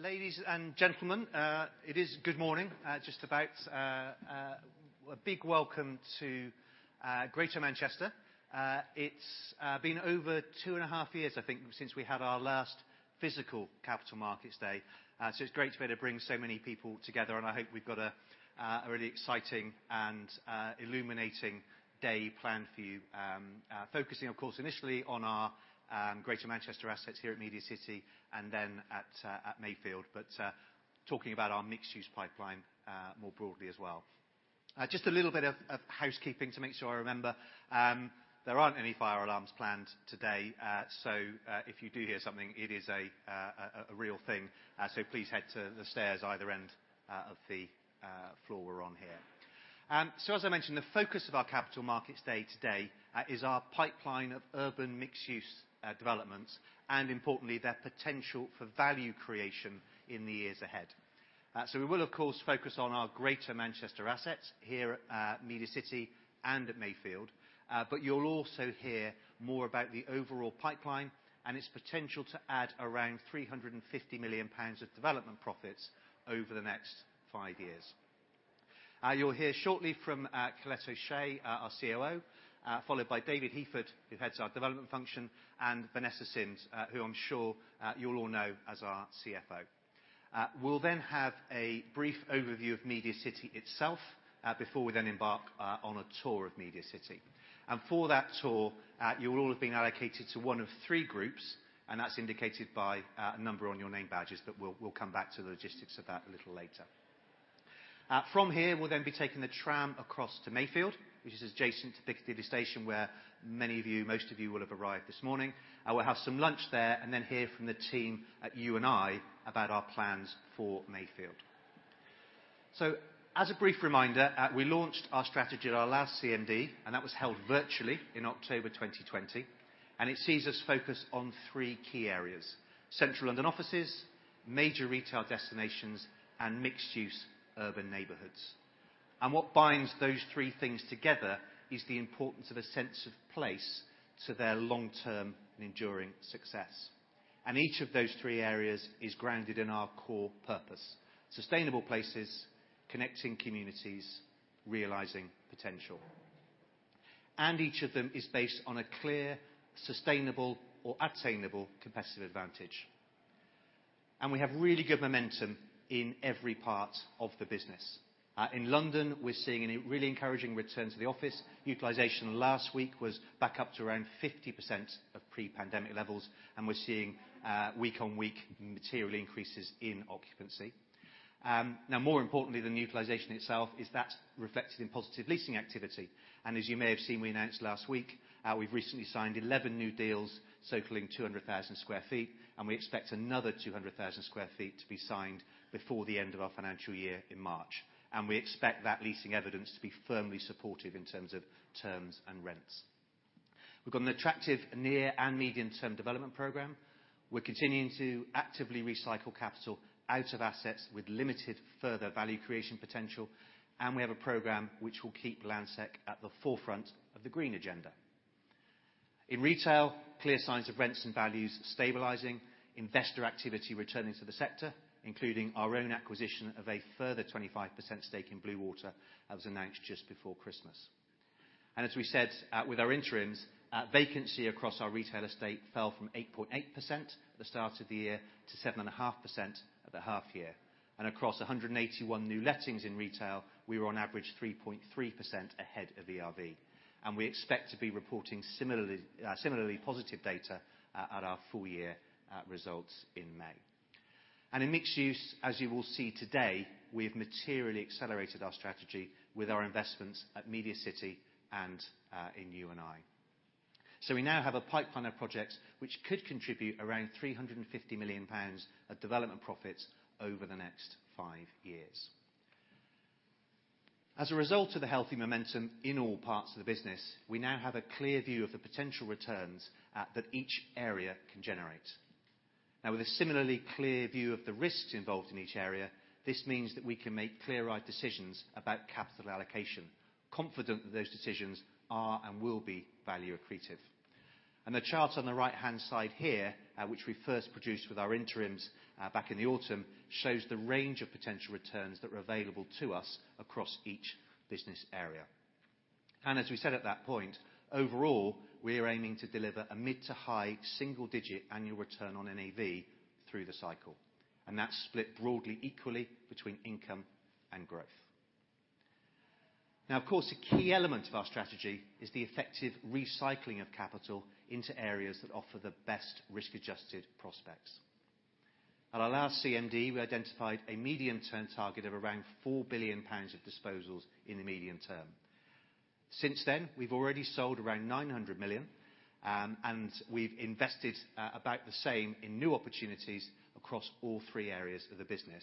Ladies and gentlemen, it is good morning just about. A big welcome to Greater Manchester. It's been over 2.5 years, I think, since we had our last physical Capital Markets Day, so it's great to be able to bring so many people together, and I hope we've got a really exciting and illuminating day planned for you. Focusing of course initially on our Greater Manchester assets here at MediaCityUK and then at Mayfield. Talking about our mixed-use pipeline more broadly as well. Just a little bit of housekeeping to make sure I remember. There aren't any fire alarms planned today, so if you do hear something, it is a real thing, so please head to the stairs either end of the floor we're on here. As I mentioned, the focus of our capital markets day today is our pipeline of urban mixed-use developments and importantly their potential for value creation in the years ahead. We will of course focus on our Greater Manchester assets here at MediaCityUK and at Mayfield, but you'll also hear more about the overall pipeline and its potential to add around 350 million pounds of development profits over the next five years. You'll hear shortly from Colette O'Shea, our COO, followed by David Heaford, who heads our development function, and Vanessa Simms, who I'm sure you'll all know as our CFO. We'll then have a brief overview of MediaCityUK itself, before we then embark on a tour of MediaCityUK. For that tour, you'll all have been allocated to one of three groups, and that's indicated by a number on your name badges, but we'll come back to the logistics of that a little later. From here, we'll then be taking the tram across to Mayfield, which is adjacent to Piccadilly Station, where many of you, most of you will have arrived this morning. We'll have some lunch there and then hear from the team at U+I about our plans for Mayfield. As a brief reminder, we launched our strategy at our last CMD, and that was held virtually in October 2020, and it sees us focus on three key areas, Central London offices, major retail destinations, and mixed use urban neighborhoods. What binds those three things together is the importance of a sense of place to their long-term enduring success. Each of those three areas is grounded in our core purpose, sustainable places, connecting communities, realizing potential. Each of them is based on a clear, sustainable, or attainable competitive advantage. We have really good momentum in every part of the business. In London, we're seeing a really encouraging return to the office. Utilization last week was back up to around 50% of pre-pandemic levels, and we're seeing week-on-week materially increases in occupancy. Now more importantly than the utilization itself is that's reflected in positive leasing activity. As you may have seen, we announced last week, we've recently signed 11 new deals totaling 200,000 sq ft, and we expect another 200,000 sq ft to be signed before the end of our financial year in March. We expect that leasing evidence to be firmly supportive in terms of terms and rents. We've got an attractive near and medium-term development program. We're continuing to actively recycle capital out of assets with limited further value creation potential, and we have a program which will keep Landsec at the forefront of the green agenda. In retail, clear signs of rents and values stabilizing, investor activity returning to the sector, including our own acquisition of a further 25% stake in Bluewater that was announced just before Christmas. As we said, with our interims, vacancy across our retail estate fell from 8.8% at the start of the year to 7.5% at the half year. Across 181 new lettings in retail, we were on average 3.3% ahead of ERV, and we expect to be reporting similarly positive data at our full-year results in May. In mixed use, as you will see today, we have materially accelerated our strategy with our investments at MediaCityUK and in U+I. We now have a pipeline of projects which could contribute around 350 million pounds of development profits over the next five years. As a result of the healthy momentum in all parts of the business, we now have a clear view of the potential returns that each area can generate. Now, with a similarly clear view of the risks involved in each area, this means that we can make clear-eyed decisions about capital allocation, confident that those decisions are and will be value accretive. The chart on the right-hand side here, which we first produced with our interims, back in the autumn, shows the range of potential returns that are available to us across each business area. As we said at that point, overall, we are aiming to deliver a mid-to-high single digit annual return on NAV through the cycle, and that's split broadly equally between income and growth. Now, of course, a key element of our strategy is the effective recycling of capital into areas that offer the best risk-adjusted prospects. At our last CMD, we identified a medium-term target of around 4 billion pounds of disposals in the medium-term. Since then, we've already sold around 900 million, and we've invested about the same in new opportunities across all three areas of the business,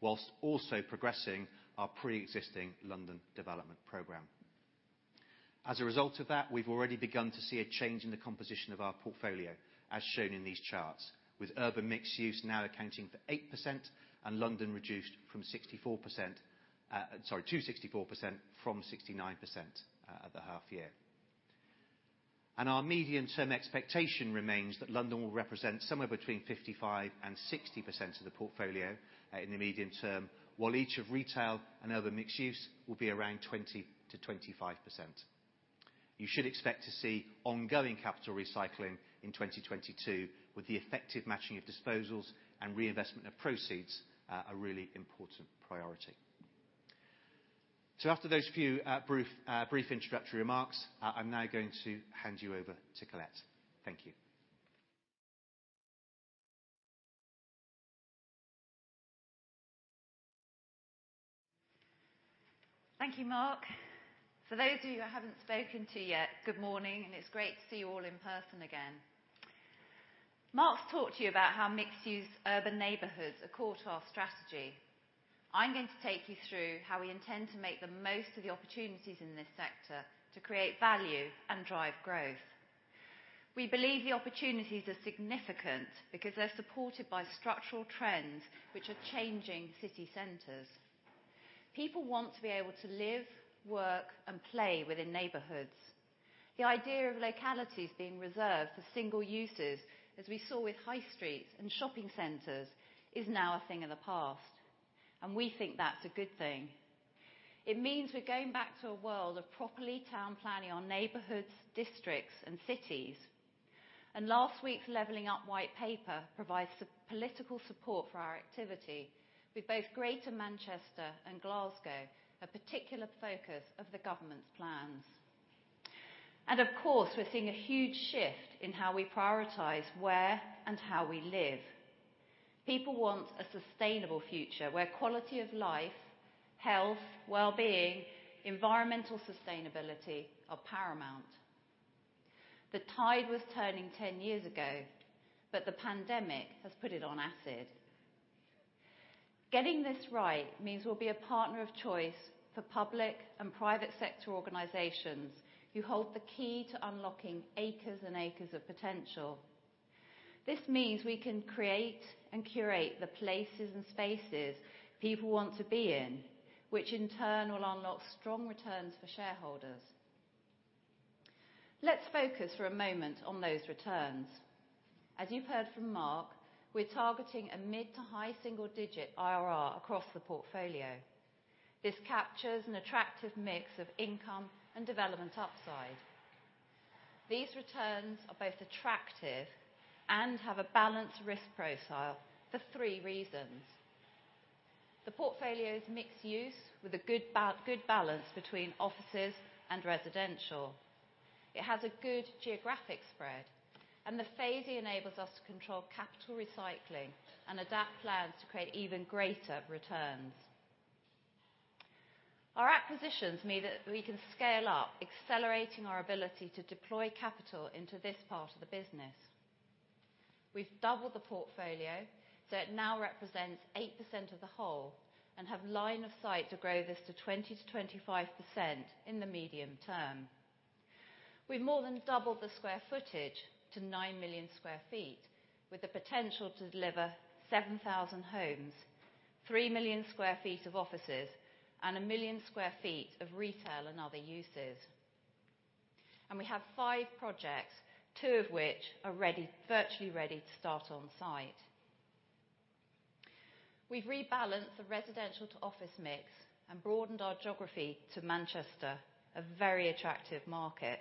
while also progressing our preexisting London development program. As a result of that, we've already begun to see a change in the composition of our portfolio, as shown in these charts, with urban mixed use now accounting for 8% and London reduced to 64% from 69% at the half year. Our medium-term expectation remains that London will represent somewhere between 55%-60% of the portfolio in the medium-term, while each of retail and other mixed use will be around 20%-25%. You should expect to see ongoing capital recycling in 2022, with the effective matching of disposals and reinvestment of proceeds, a really important priority. After those few brief introductory remarks, I'm now going to hand you over to Colette. Thank you. Thank you, Mark. For those of you I haven't spoken to yet, good morning, and it's great to see you all in person again. Mark's talked to you about how mixed-use urban neighborhoods are core to our strategy. I'm going to take you through how we intend to make the most of the opportunities in this sector to create value and drive growth. We believe the opportunities are significant because they're supported by structural trends which are changing city centers. People want to be able to live, work, and play within neighborhoods. The idea of localities being reserved for single uses, as we saw with high streets and shopping centers, is now a thing of the past, and we think that's a good thing. It means we're going back to a world of proper town planning of neighborhoods, districts, and cities. Last week's Levelling Up White Paper provides political support for our activity, with both Greater Manchester and Glasgow a particular focus of the government's plans. Of course, we're seeing a huge shift in how we prioritize where and how we live. People want a sustainable future where quality of life, health, wellbeing, environmental sustainability are paramount. The tide was turning ten years ago, but the pandemic has put it on steroids. Getting this right means we'll be a partner of choice for public and private sector organizations who hold the key to unlocking acres and acres of potential. This means we can create and curate the places and spaces people want to be in, which in turn will unlock strong returns for shareholders. Let's focus for a moment on those returns. As you've heard from Mark, we're targeting a mid- to high single-digit IRR across the portfolio. This captures an attractive mix of income and development upside. These returns are both attractive and have a balanced risk profile for three reasons. The portfolio's mixed-use with a good balance between offices and residential. It has a good geographic spread, and the phasing enables us to control capital recycling and adapt plans to create even greater returns. Our acquisitions mean that we can scale up, accelerating our ability to deploy capital into this part of the business. We've doubled the portfolio, so it now represents 8% of the whole and have line of sight to grow this to 20%-25% in the medium term. We've more than doubled the square footage to 9 million sq ft, with the potential to deliver 7,000 homes, 3 million sq ft of offices, and 1 million sq ft of retail and other uses. We have five projects, two of which are ready, virtually ready to start on site. We've rebalanced the residential to office mix and broadened our geography to Manchester, a very attractive market.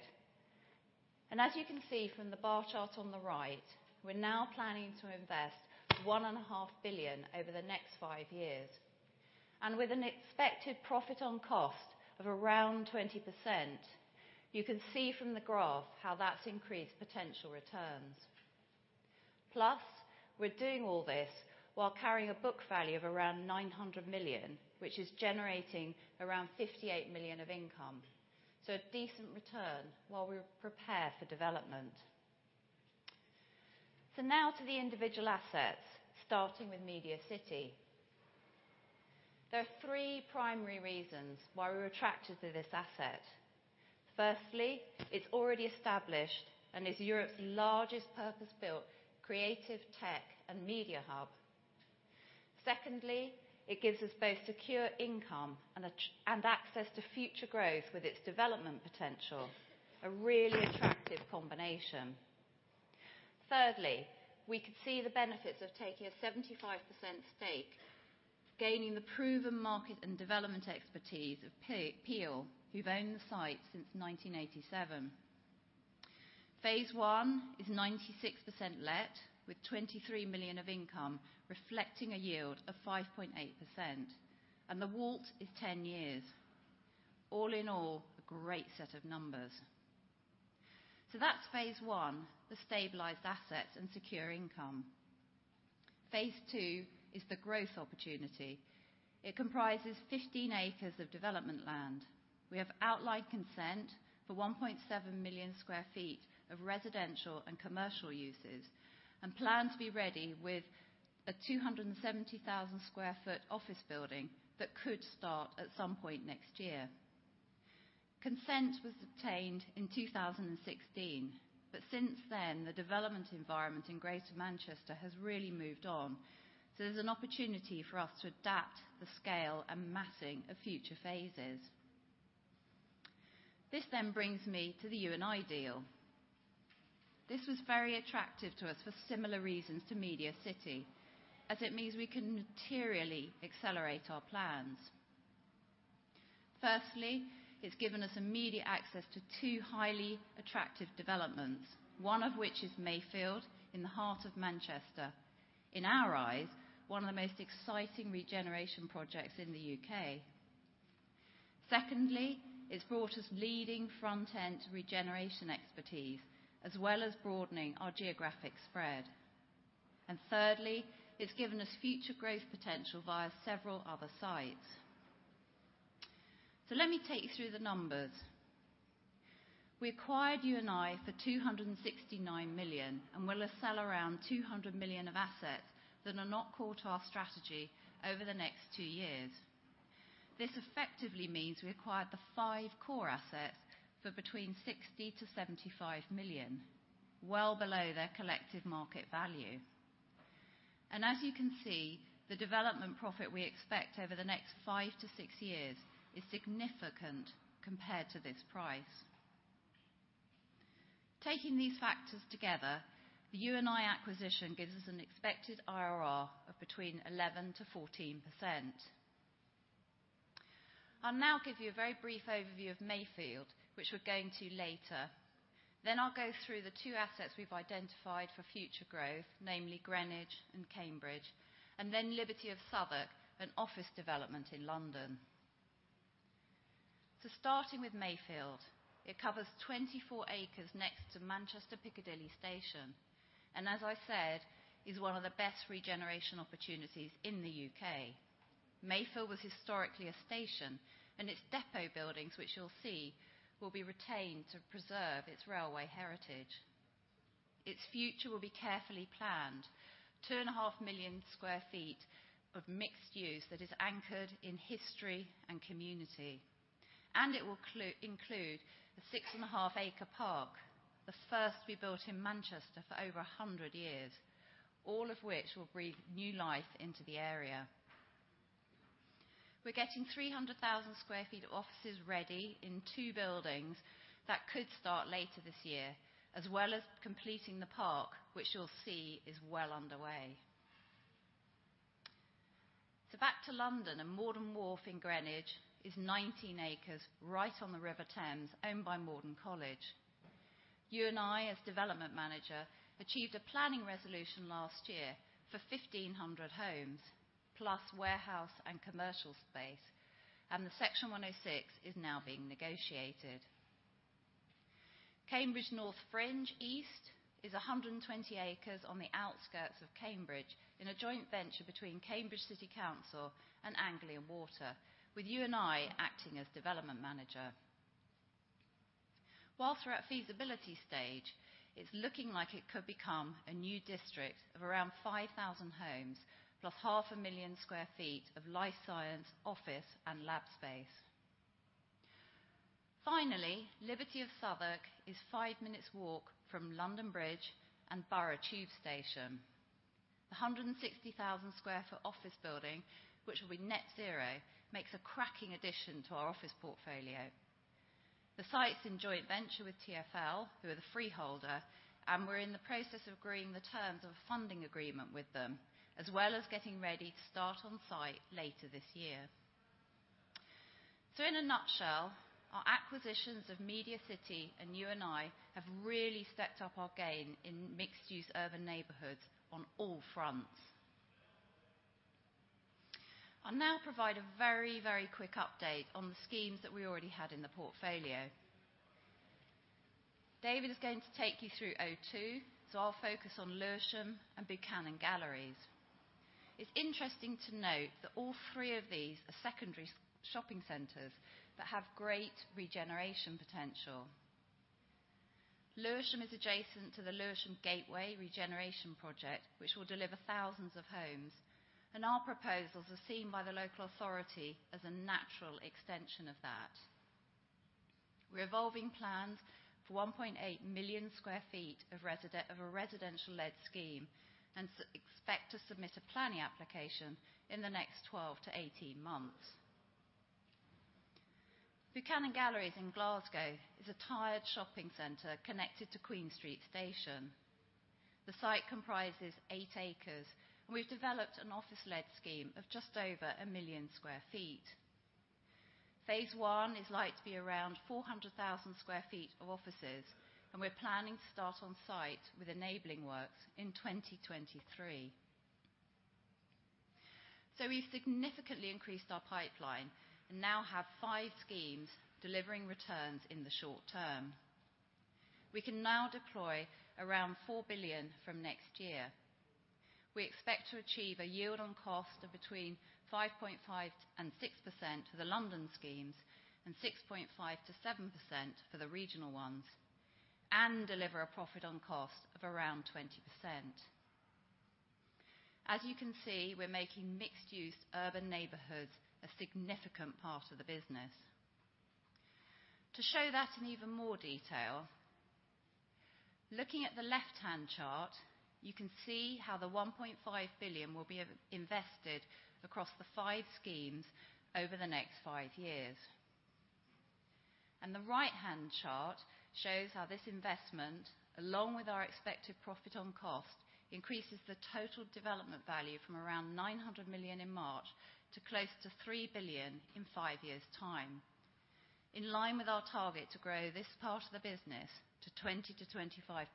As you can see from the bar chart on the right, we're now planning to invest 1.5 billion over the next five years. With an expected profit on cost of around 20%, you can see from the graph how that's increased potential returns. Plus, we're doing all this while carrying a book value of around 900 million, which is generating around 58 million of income. A decent return while we prepare for development. Now to the individual assets, starting with MediaCityUK. There are three primary reasons why we were attracted to this asset. Firstly, it's already established and is Europe's largest purpose-built creative tech and media hub. Secondly, it gives us both secure income and access to future growth with its development potential, a really attractive combination. Thirdly, we could see the benefits of taking a 75% stake, gaining the proven market and development expertise of Peel, who've owned the site since 1987. Phase One is 96% let, with 23 million of income reflecting a yield of 5.8%. The WAULT is 10 years. All in all, a great set of numbers. That's Phase One, the stabilized assets and secure income. Phase Two is the growth opportunity. It comprises 15 acres of development land. We have outline consent for 1.7 million sq ft of residential and commercial uses and plan to be ready with a 270,000 sq ft office building that could start at some point next year. Consent was obtained in 2016. Since then, the development environment in Greater Manchester has really moved on, so there's an opportunity for us to adapt the scale and massing of future phases. This then brings me to the U+I deal. This was very attractive to us for similar reasons to MediaCityUK, as it means we can materially accelerate our plans. Firstly, it's given us immediate access to two highly attractive developments, one of which is Mayfield in the heart of Manchester. In our eyes, one of the most exciting regeneration projects in the UK. Secondly, it's brought us leading front-end regeneration expertise, as well as broadening our geographic spread. Thirdly, it's given us future growth potential via several other sites. Let me take you through the numbers. We acquired U+I for 269 million, and we'll sell around 200 million of assets that are not core to our strategy over the next two years. This effectively means we acquired the five core assets for between 60 million-75 million, well below their collective market value. As you can see, the development profit we expect over the next five-six years is significant compared to this price. Taking these factors together, the U+I acquisition gives us an expected IRR of between 11%-14%. I'll now give you a very brief overview of Mayfield, which we're going to later. I'll go through the two assets we've identified for future growth, namely Greenwich and Cambridge, and then Liberty of Southwark, an office development in London. Starting with Mayfield, it covers 24 acres next to Manchester Piccadilly station, and as I said, is one of the best regeneration opportunities in the U.K. Mayfield was historically a station and its depot buildings, which you'll see, will be retained to preserve its railway heritage. Its future will be carefully planned. 2.5 million sq ft of mixed use that is anchored in history and community. It will include the 6.5-acre park, the first to be built in Manchester for over 100 years, all of which will breathe new life into the area. We're getting 300,000 sq ft of offices ready in two buildings that could start later this year, as well as completing the park, which you'll see is well underway. Back to London and Morden Wharf in Greenwich is 19 acres right on the River Thames, owned by Morden College. U+I, as development manager, achieved a planning resolution last year for 1,500 homes, plus warehouse and commercial space, and the Section 106 is now being negotiated. Cambridge North Fringe East is 120 acres on the outskirts of Cambridge in a joint venture between Cambridge City Council and Anglian Water, with U+I acting as development manager. While we're at feasibility stage, it's looking like it could become a new district of around 5,000 homes, +500,000 sq ft of life science, office, and lab space. Finally, Liberty of Southwark is five minutes walk from London Bridge and Borough Tube station. A 160,000 sq ft office building, which will be net zero, makes a cracking addition to our office portfolio. The site's in joint venture with TfL, who are the freeholder, and we're in the process of agreeing the terms of a funding agreement with them, as well as getting ready to start on site later this year. In a nutshell, our acquisitions of MediaCityUK and U+I have really stepped up our game in mixed-use urban neighborhoods on all fronts. I'll now provide a very, very quick update on the schemes that we already had in the portfolio. David is going to take you through O2, so I'll focus on Lewisham and Buchanan Galleries. It's interesting to note that all three of these are secondary shopping centers that have great regeneration potential. Lewisham is adjacent to the Lewisham Gateway regeneration project, which will deliver thousands of homes, and our proposals are seen by the local authority as a natural extension of that. We're evolving plans for 1.8 million sq ft of a residential-led scheme, and expect to submit a planning application in the next 12-18 months. Buchanan Galleries in Glasgow is a tired shopping center connected to Queen Street Station. The site comprises 8 acres, and we've developed an office-led scheme of just over 1 million sq ft. Phase one is likely to be around 400,000 sq ft of offices, and we're planning to start on site with enabling works in 2023. We've significantly increased our pipeline and now have five schemes delivering returns in the short-term. We can now deploy around 4 billion from next year. We expect to achieve a yield on cost of between 5.5% and 6% for the London schemes and 6.5%-7% for the regional ones, and deliver a profit on cost of around 20%. As you can see, we're making mixed-use urban neighborhoods a significant part of the business. To show that in even more detail, looking at the left-hand chart, you can see how the 1.5 billion will be invested across the five schemes over the next five years. The right-hand chart shows how this investment, along with our expected profit on cost, increases the total development value from around 900 million in March to close to 3 billion in five years' time, in line with our target to grow this part of the business to 20%-25%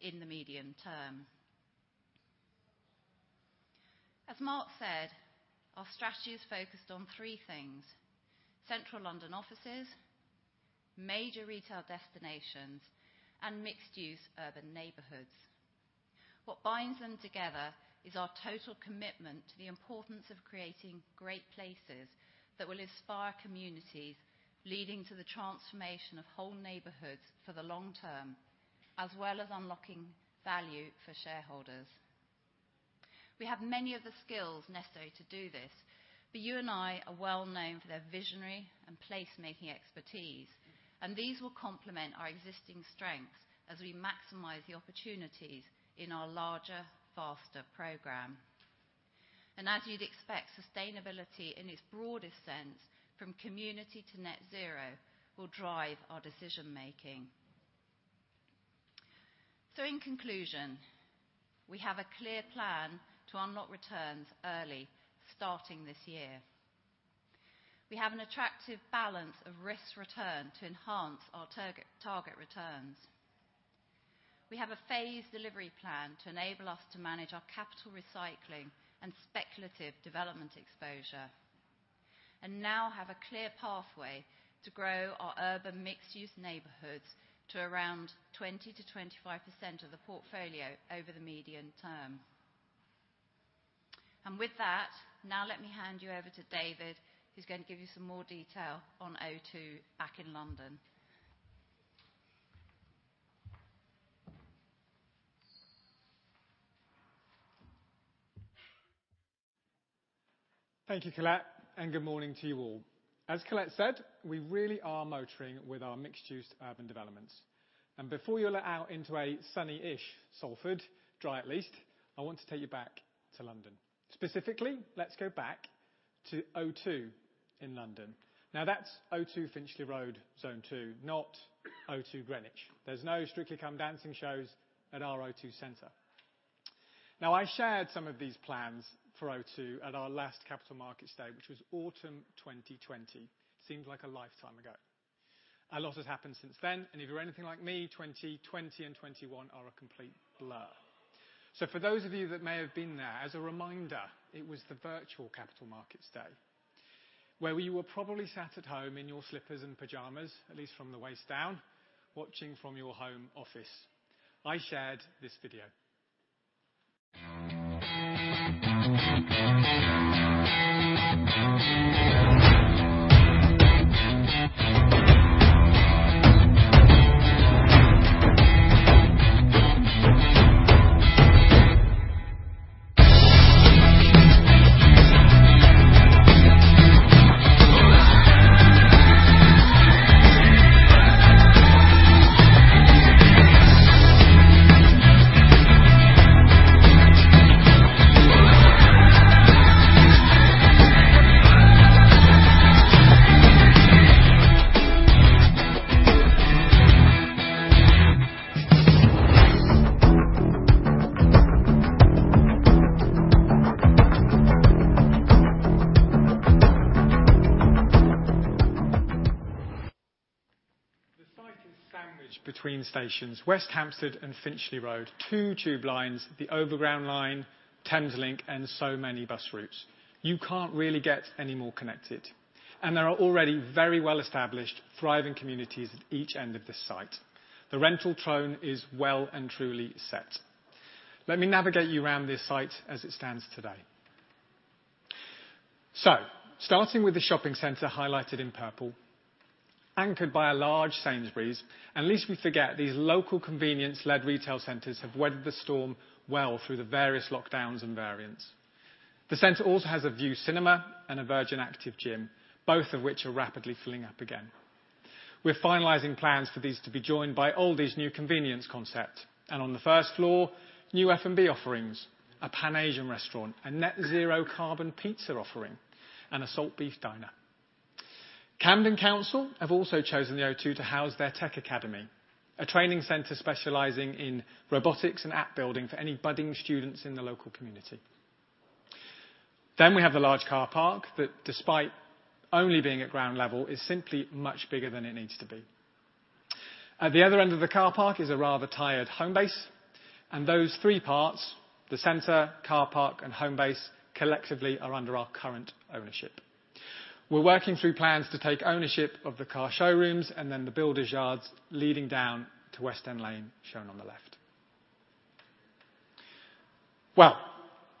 in the medium term. As Mark said, our strategy is focused on three things, central London offices, major retail destinations, and mixed-use urban neighborhoods. What binds them together is our total commitment to the importance of creating great places that will inspire communities, leading to the transformation of whole neighborhoods for the long-term, as well as unlocking value for shareholders. We have many of the skills necessary to do this, but U+I are well known for their visionary and placemaking expertise, and these will complement our existing strengths as we maximize the opportunities in our larger, faster program. As you'd expect, sustainability in its broadest sense, from community to net zero, will drive our decision-making. In conclusion, we have a clear plan to unlock returns early, starting this year. We have an attractive balance of risk return to enhance our target returns. We have a phased delivery plan to enable us to manage our capital recycling and speculative development exposure, and now have a clear pathway to grow our urban mixed-use neighborhoods to around 20-25% of the portfolio over the medium term. With that, now let me hand you over to David Heaford, who's going to give you some more detail on O2 back in London. Thank you, Colette O'Shea, and good morning to you all. As Colette O'Shea said, we really are motoring with our mixed-use urban developments. Before you let out into a sunny-ish Salford, dry at least, I want to take you back to London. Specifically, let's go back to O2 in London. Now that's O2 Finchley Road, Zone 2, not O2 Greenwich. There's no Strictly Come Dancing shows at our O2 center. Now, I shared some of these plans for O2 at our last Capital Markets Day, which was autumn 2020. Seems like a lifetime ago. A lot has happened since then, and if you're anything like me, 2020 and 2021 are a complete blur. For those of you that may have been there, as a reminder, it was the virtual capital markets day, where we were probably sat at home in your slippers and pajamas, at least from the waist down, watching from your home office. I shared this video. The site is sandwiched between stations, West Hampstead and Finchley Road, two tube lines, the overground line, Thameslink, and so many bus routes. You can't really get any more connected. There are already very well-established, thriving communities at each end of this site. The rental tone is well and truly set. Let me navigate you around this site as it stands today. Starting with the shopping center highlighted in purple, anchored by a large Sainsbury's. Lest we forget, these local convenience-led retail centers have weathered the storm well through the various lockdowns and variants. The center also has a Vue cinema and a Virgin Active gym, both of which are rapidly filling up again. We're finalizing plans for these to be joined by Aldi's new convenience concept, and on the first floor, new F&B offerings, a Pan-Asian restaurant, a net zero carbon pizza offering, and a salt beef diner. Camden Council have also chosen the O2 to house their tech academy, a training center specializing in robotics and app-building for any budding students in the local community. Then we have the large car park that, despite only being at ground level, is simply much bigger than it needs to be. At the other end of the car park is a rather tired Homebase. Those three parts, the center, car park, and Homebase, collectively are under our current ownership. We're working through plans to take ownership of the car showrooms and then the builder's yards leading down to West End Lane, shown on the left. Well,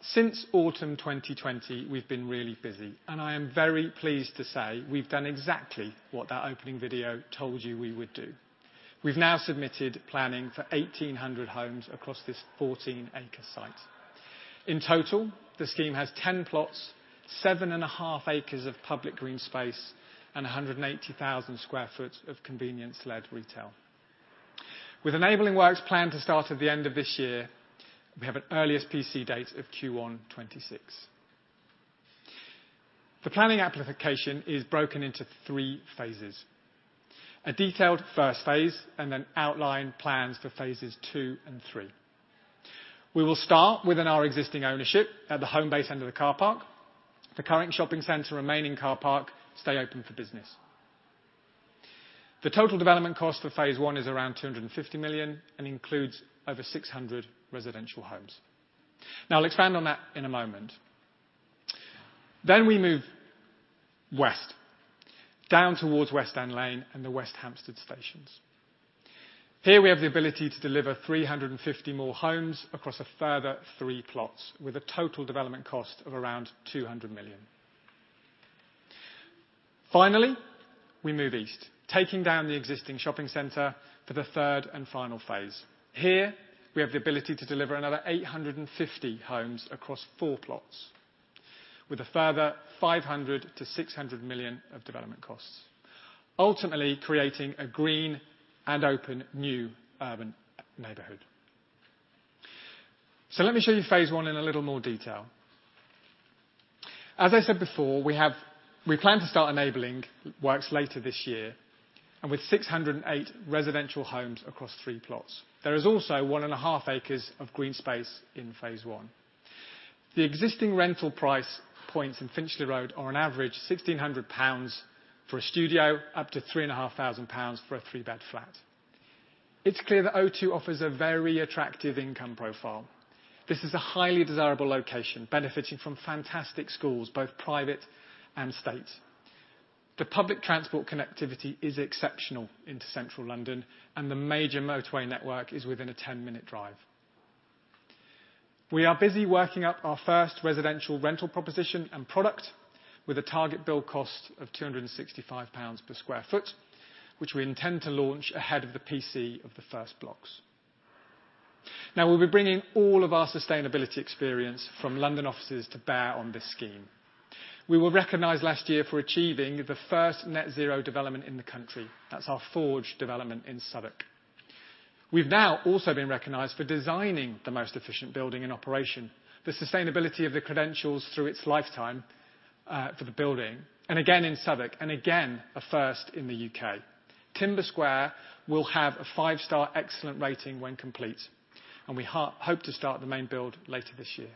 since autumn 2020, we've been really busy, and I am very pleased to say we've done exactly what that opening video told you we would do. We've now submitted planning application for 1,800 homes across this 14-acre site. In total, the scheme has 10 plots, 7.5 acres of public green space, and 180,000 sq ft of convenience-led retail. With enabling works planned to start at the end of this year, we have an earliest PC date of Q1 2026. The planning application is broken into 3 phases. A detailed first phase and then outline plans for phases II and III. We will start within our existing ownership at the Homebase end of the car park. The current shopping center remaining car park stays open for business. The total development cost for phase one is around 250 million and includes over 600 residential homes. Now I'll expand on that in a moment. We move west, down towards West End Lane and the West Hampstead stations. Here we have the ability to deliver 350 more homes across a further three plots, with a total development cost of around 200 million. Finally, we move east, taking down the existing shopping center for the third and final phase. Here, we have the ability to deliver another 850 homes across four plots, with a further 500 million-600 million of development costs, ultimately creating a green and open new urban neighborhood. Let me show you phase one in a little more detail. As I said before, we plan to start enabling works later this year, and with 608 residential homes across three plots. There is also 1.5 acres of green space in phase I. The existing rental price points in Finchley Road are on average 1,600 pounds for a studio, up to 3,500 pounds for a three-bed flat. It's clear that O2 offers a very attractive income profile. This is a highly desirable location, benefiting from fantastic schools, both private and state. The public transport connectivity is exceptional into Central London, and the major motorway network is within a 10-minute drive. We are busy working up our first residential rental proposition and product with a target build cost of 265 pounds per sq ft, which we intend to launch ahead of the PC of the first blocks. Now we'll be bringing all of our sustainability experience from London offices to bear on this scheme. We were recognized last year for achieving the first net zero development in the country. That's our The Forge development in Southwark. We've now also been recognized for designing the most efficient building in operation, the sustainability credentials through its lifetime for the building, and again in Southwark, and again, a first in the UK. Timber Square will have a five-star excellent rating when complete, and we hope to start the main build later this year.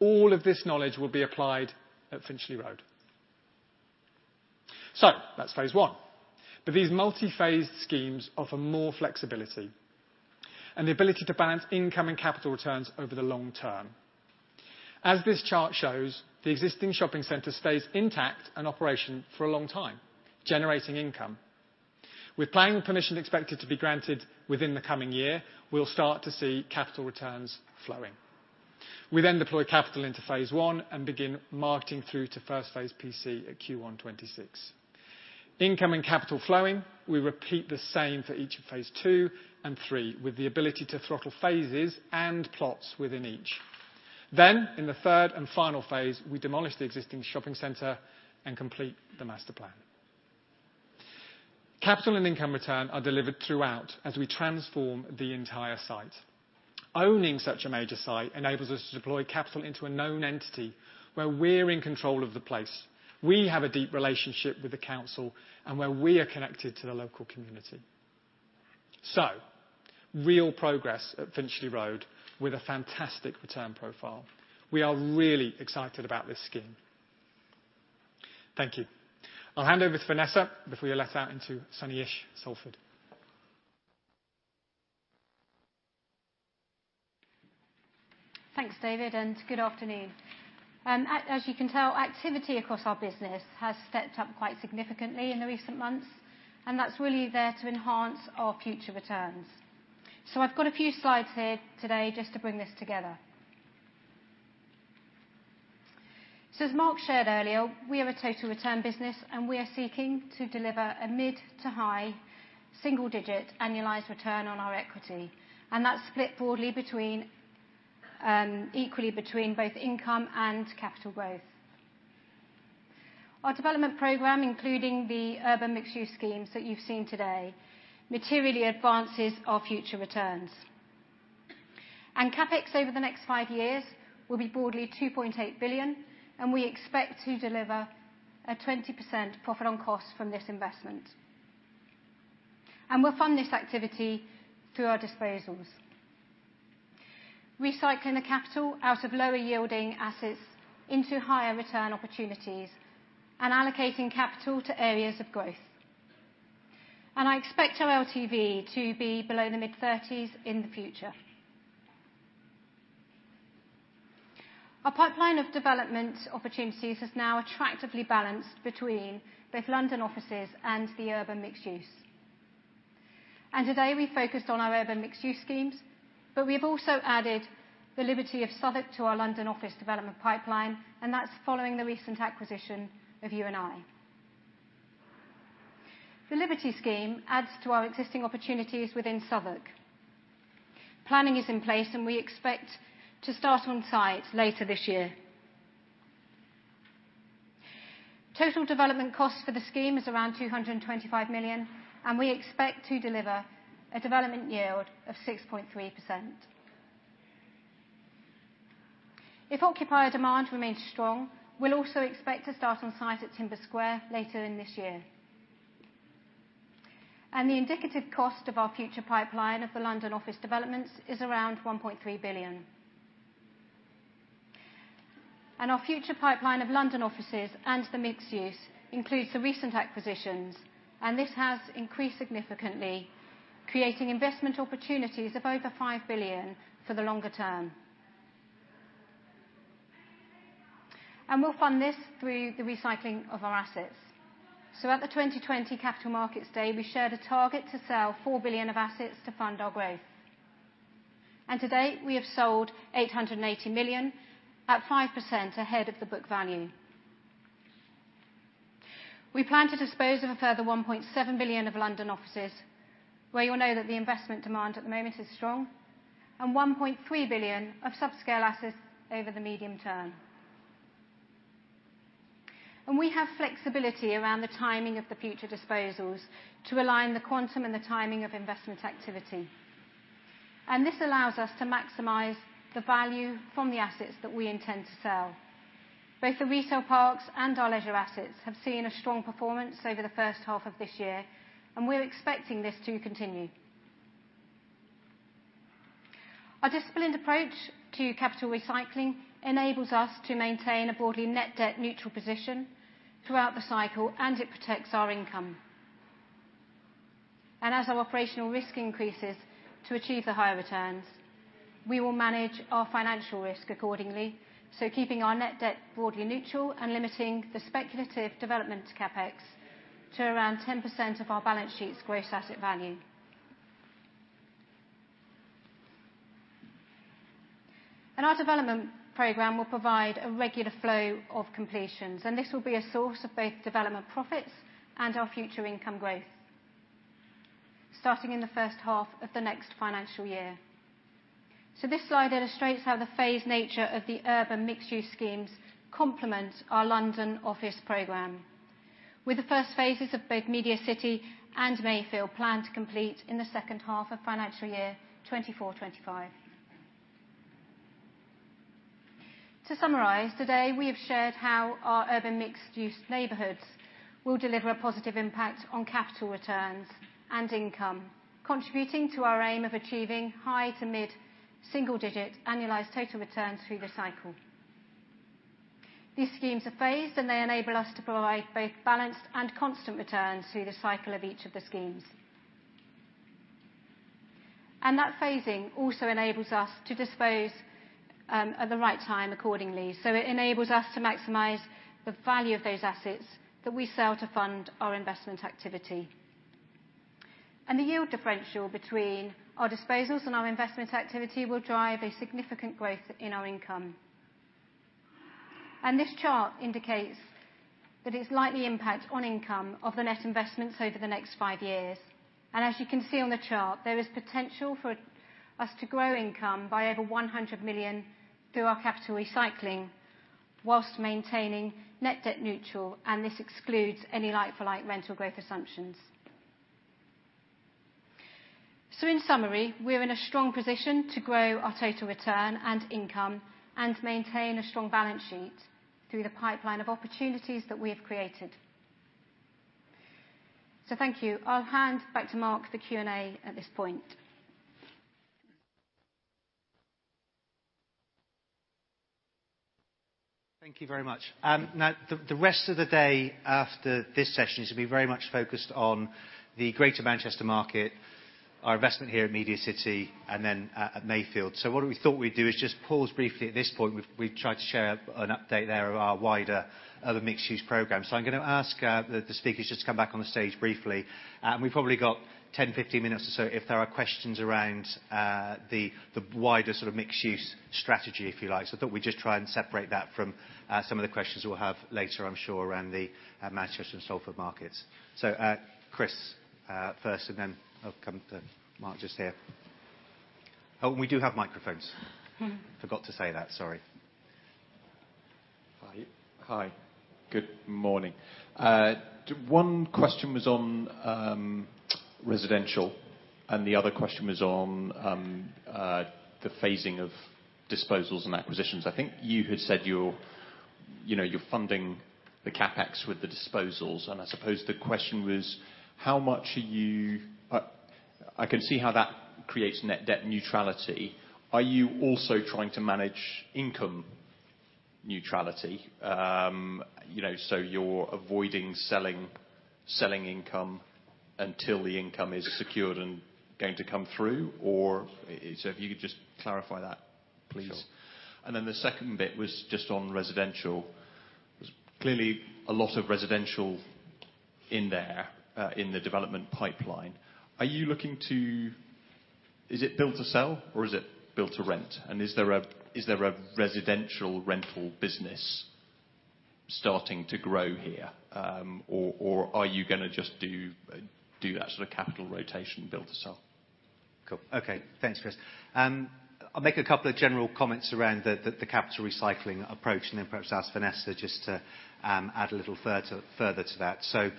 All of this knowledge will be applied at Finchley Road. That's phase I. These multi-phased schemes offer more flexibility and the ability to balance income and capital returns over the long-term. As this chart shows, the existing shopping center stays intact and operational for a long time, generating income. With planning permission expected to be granted within the coming year, we'll start to see capital returns flowing. We then deploy capital into phase Iand begin marketing through to first phase PC at Q1 2026. Incoming capital flowing, we repeat the same for each of phase II and III, with the ability to throttle phases and plots within each. In the third and final phase, we demolish the existing shopping center and complete the master plan. Capital and income return are delivered throughout as we transform the entire site. Owning such a major site enables us to deploy capital into a known entity where we're in control of the place. We have a deep relationship with the council and where we are connected to the local community. Real progress at Finchley Road with a fantastic return profile. We are really excited about this scheme. Thank you. I'll hand over to Vanessa before we let out into sunny-ish Salford. Thanks, David, and good afternoon. As you can tell, activity across our business has stepped up quite significantly in the recent months, and that's really there to enhance our future returns. I've got a few slides here today just to bring this together. As Mark shared earlier, we have a total return business, and we are seeking to deliver a mid- to high-single-digit annualized return on our equity, and that's split broadly between equally between both income and capital growth. Our development program, including the urban mixed-use schemes that you've seen today, materially advances our future returns. CapEx over the next five years will be broadly 2.8 billion, and we expect to deliver a 20% profit on cost from this investment. We'll fund this activity through our disposals, recycling the capital out of lower yielding assets into higher return opportunities and allocating capital to areas of growth. I expect our LTV to be below the mid-thirties in the future. Our pipeline of development opportunities is now attractively balanced between both London offices and the urban mixed use. Today, we focused on our urban mixed use schemes. We've also added the Liberty of Southwark to our London office development pipeline, and that's following the recent acquisition of U+I. The Liberty scheme adds to our existing opportunities within Southwark. Planning is in place, and we expect to start on site later this year. Total development cost for the scheme is around 225 million, and we expect to deliver a development yield of 6.3%. If occupier demand remains strong, we'll also expect to start on site at Timber Square later in this year. The indicative cost of our future pipeline of the London office developments is around 1.3 billion. Our future pipeline of London offices and the mixed use includes the recent acquisitions, and this has increased significantly, creating investment opportunities of over 5 billion for the longer term. We'll fund this through the recycling of our assets. At the 2020 capital markets day, we shared a target to sell 4 billion of assets to fund our growth. To date, we have sold 880 million at 5% ahead of the book value. We plan to dispose of a further 1.7 billion of London offices, where you'll know that the investment demand at the moment is strong, and 1.3 billion of subscale assets over the medium term. We have flexibility around the timing of the future disposals to align the quantum and the timing of investment activity. This allows us to maximize the value from the assets that we intend to sell. Both the retail parks and our leisure assets have seen a strong performance over the first half of this year, and we're expecting this to continue. Our disciplined approach to capital recycling enables us to maintain a broadly net debt neutral position throughout the cycle, and it protects our income. As our operational risk increases to achieve the higher returns, we will manage our financial risk accordingly, so keeping our net debt broadly neutral and limiting the speculative development CapEx to around 10% of our balance sheet's gross asset value. Our development program will provide a regular flow of completions, and this will be a source of both development profits and our future income growth, starting in the first half of the next financial year. This slide illustrates how the phased nature of the urban mixed use schemes complement our London office program. With the first phases of both MediaCity and Mayfield planned to complete in the second half of financial year 2024, 2025. To summarize, today we have shared how our urban mixed use neighborhoods will deliver a positive impact on capital returns and income, contributing to our aim of achieving high- to mid-single-digit annualized total returns through the cycle. These schemes are phased, and they enable us to provide both balanced and constant returns through the cycle of each of the schemes. That phasing also enables us to dispose at the right time accordingly. It enables us to maximize the value of those assets that we sell to fund our investment activity. The yield differential between our disposals and our investment activity will drive a significant growth in our income. This chart indicates that its likely impact on income of the net investments over the next five years. As you can see on the chart, there is potential for us to grow income by over 100 million through our capital recycling while maintaining net debt neutral, and this excludes any like-for-like rental growth assumptions. In summary, we're in a strong position to grow our total return and income and maintain a strong balance sheet through the pipeline of opportunities that we have created. Thank you. I'll hand back to Mark for the Q&A at this point. Thank you very much. Now the rest of the day after this session is gonna be very much focused on the Greater Manchester market, our investment here at MediaCityUK, and then at Mayfield. What we thought we'd do is just pause briefly at this point. We've tried to share an update there of our wider other mixed use program. I'm gonna ask the speakers just to come back on the stage briefly. We've probably got 10, 15 minutes or so if there are questions around the wider sort of mixed use strategy, if you like. I thought we'd just try and separate that from some of the questions we'll have later, I'm sure, around the Manchester and Salford markets. Chris, first, and then I'll come to Mark just here. Oh, we do have microphones. Forgot to say that, sorry. Hi. Hi. Good morning. One question was on residential, and the other question was on the phasing of disposals and acquisitions. I think you had said you're funding the CapEx with the disposals, and I suppose the question was, how much are you... I can see how that creates net debt neutrality. Are you also trying to manage income neutrality? You're avoiding selling income until the income is secured and going to come through. If you could just clarify that, please. Sure. The second bit was just on residential. There's clearly a lot of residential in there, in the development pipeline, is it build to sell or is it build to rent? Is there a residential rental business starting to grow here, or are you gonna just do that sort of capital rotation build to sell? Cool. Okay. Thanks, Chris. I'll make a couple of general comments around the capital recycling approach, and then perhaps ask Vanessa just to add a little further to that.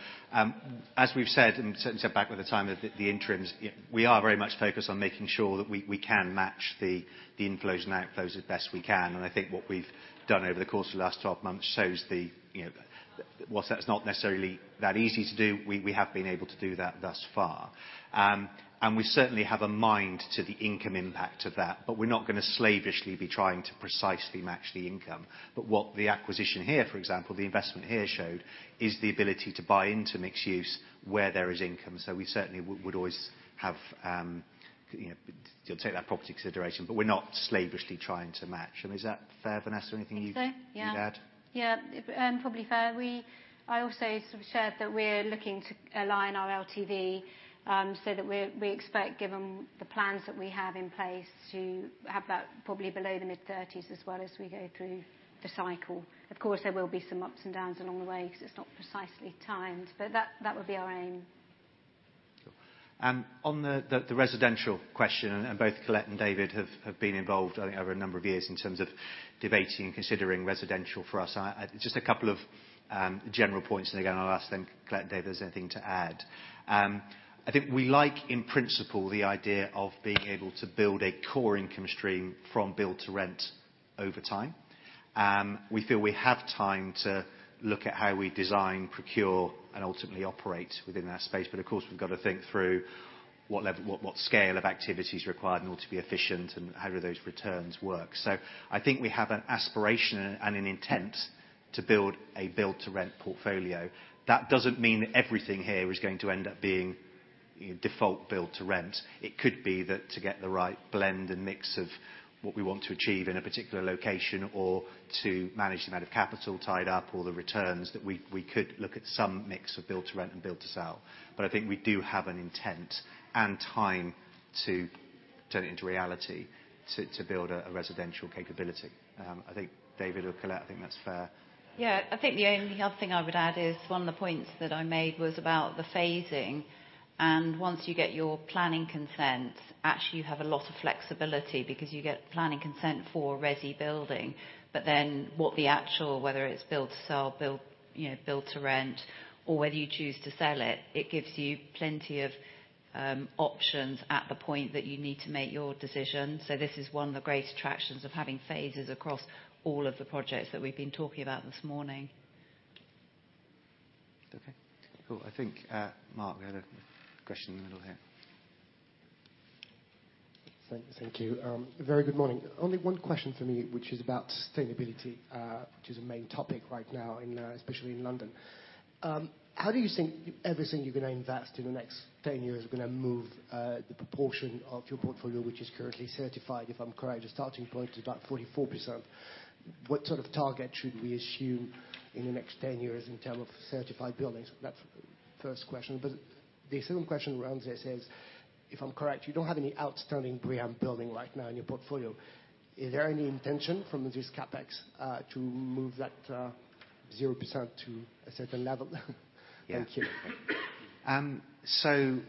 As we've said, and certainly said back at the time of the interims, we are very much focused on making sure that we can match the inflows and outflows as best we can. I think what we've done over the course of the last 12 months shows, you know, whilst that's not necessarily that easy to do, we have been able to do that thus far. We certainly have a mind to the income impact of that, but we're not gonna slavishly be trying to precisely match the income. What the acquisition here, for example, the investment here showed, is the ability to buy into mixed use where there is income. We certainly would always have to take that property consideration, but we're not slavishly trying to match. I mean, is that fair, Vanessa? Anything you'd- I think- you'd add? Yeah. Yeah. Probably fair. I also sort of shared that we're looking to align our LTV, so that we expect, given the plans that we have in place, to have that probably below the mid-thirties% as well as we go through the cycle. Of course, there will be some ups and downs along the way 'cause it's not precisely timed, but that would be our aim. Cool. On the residential question, both Colette and David have been involved, I think over a number of years in terms of debating and considering residential for us. I just a couple of general points, and again, I'll ask then Colette and David if there's anything to add. I think we like, in principle, the idea of being able to build a core income stream from build to rent over time. We feel we have time to look at how we design, procure, and ultimately operate within that space. Of course, we've got to think through what scale of activity is required in order to be efficient, and how do those returns work. I think we have an aspiration and an intent to build a build-to-rent portfolio. That doesn't mean everything here is going to end up being, you know, default build to rent. It could be that to get the right blend and mix of what we want to achieve in a particular location, or to manage the amount of capital tied up or the returns, that we could look at some mix of build to rent and build to sell. But I think we do have an intent and time to turn it into reality, to build a residential capability. I think David or Colette, I think that's fair. Yeah. I think the only other thing I would add is, one of the points that I made was about the phasing. Once you get your planning consent, actually, you have a lot of flexibility because you get planning consent for resi building. Then what the actual, whether it's build to sell, build, you know, build to rent, or whether you choose to sell it gives you plenty of options at the point that you need to make your decision. This is one of the great attractions of having phases across all of the projects that we've been talking about this morning. Okay. Cool. I think, Mark, we had a question in the middle here. Thank you. Very good morning. Only one question from me, which is about sustainability, which is a main topic right now in, especially in London. How do you think everything you're gonna invest in the next 10 years is gonna move, the proportion of your portfolio, which is currently certified, if I'm correct, your starting point is about 44%. What sort of target should we assume in the next 10 years in terms of certified buildings? That's the first question. The second question around this is, if I'm correct, you don't have any outstanding BREEAM building right now in your portfolio. Is there any intention from this CapEx to move that 0% to a certain level? Yeah. Thank you.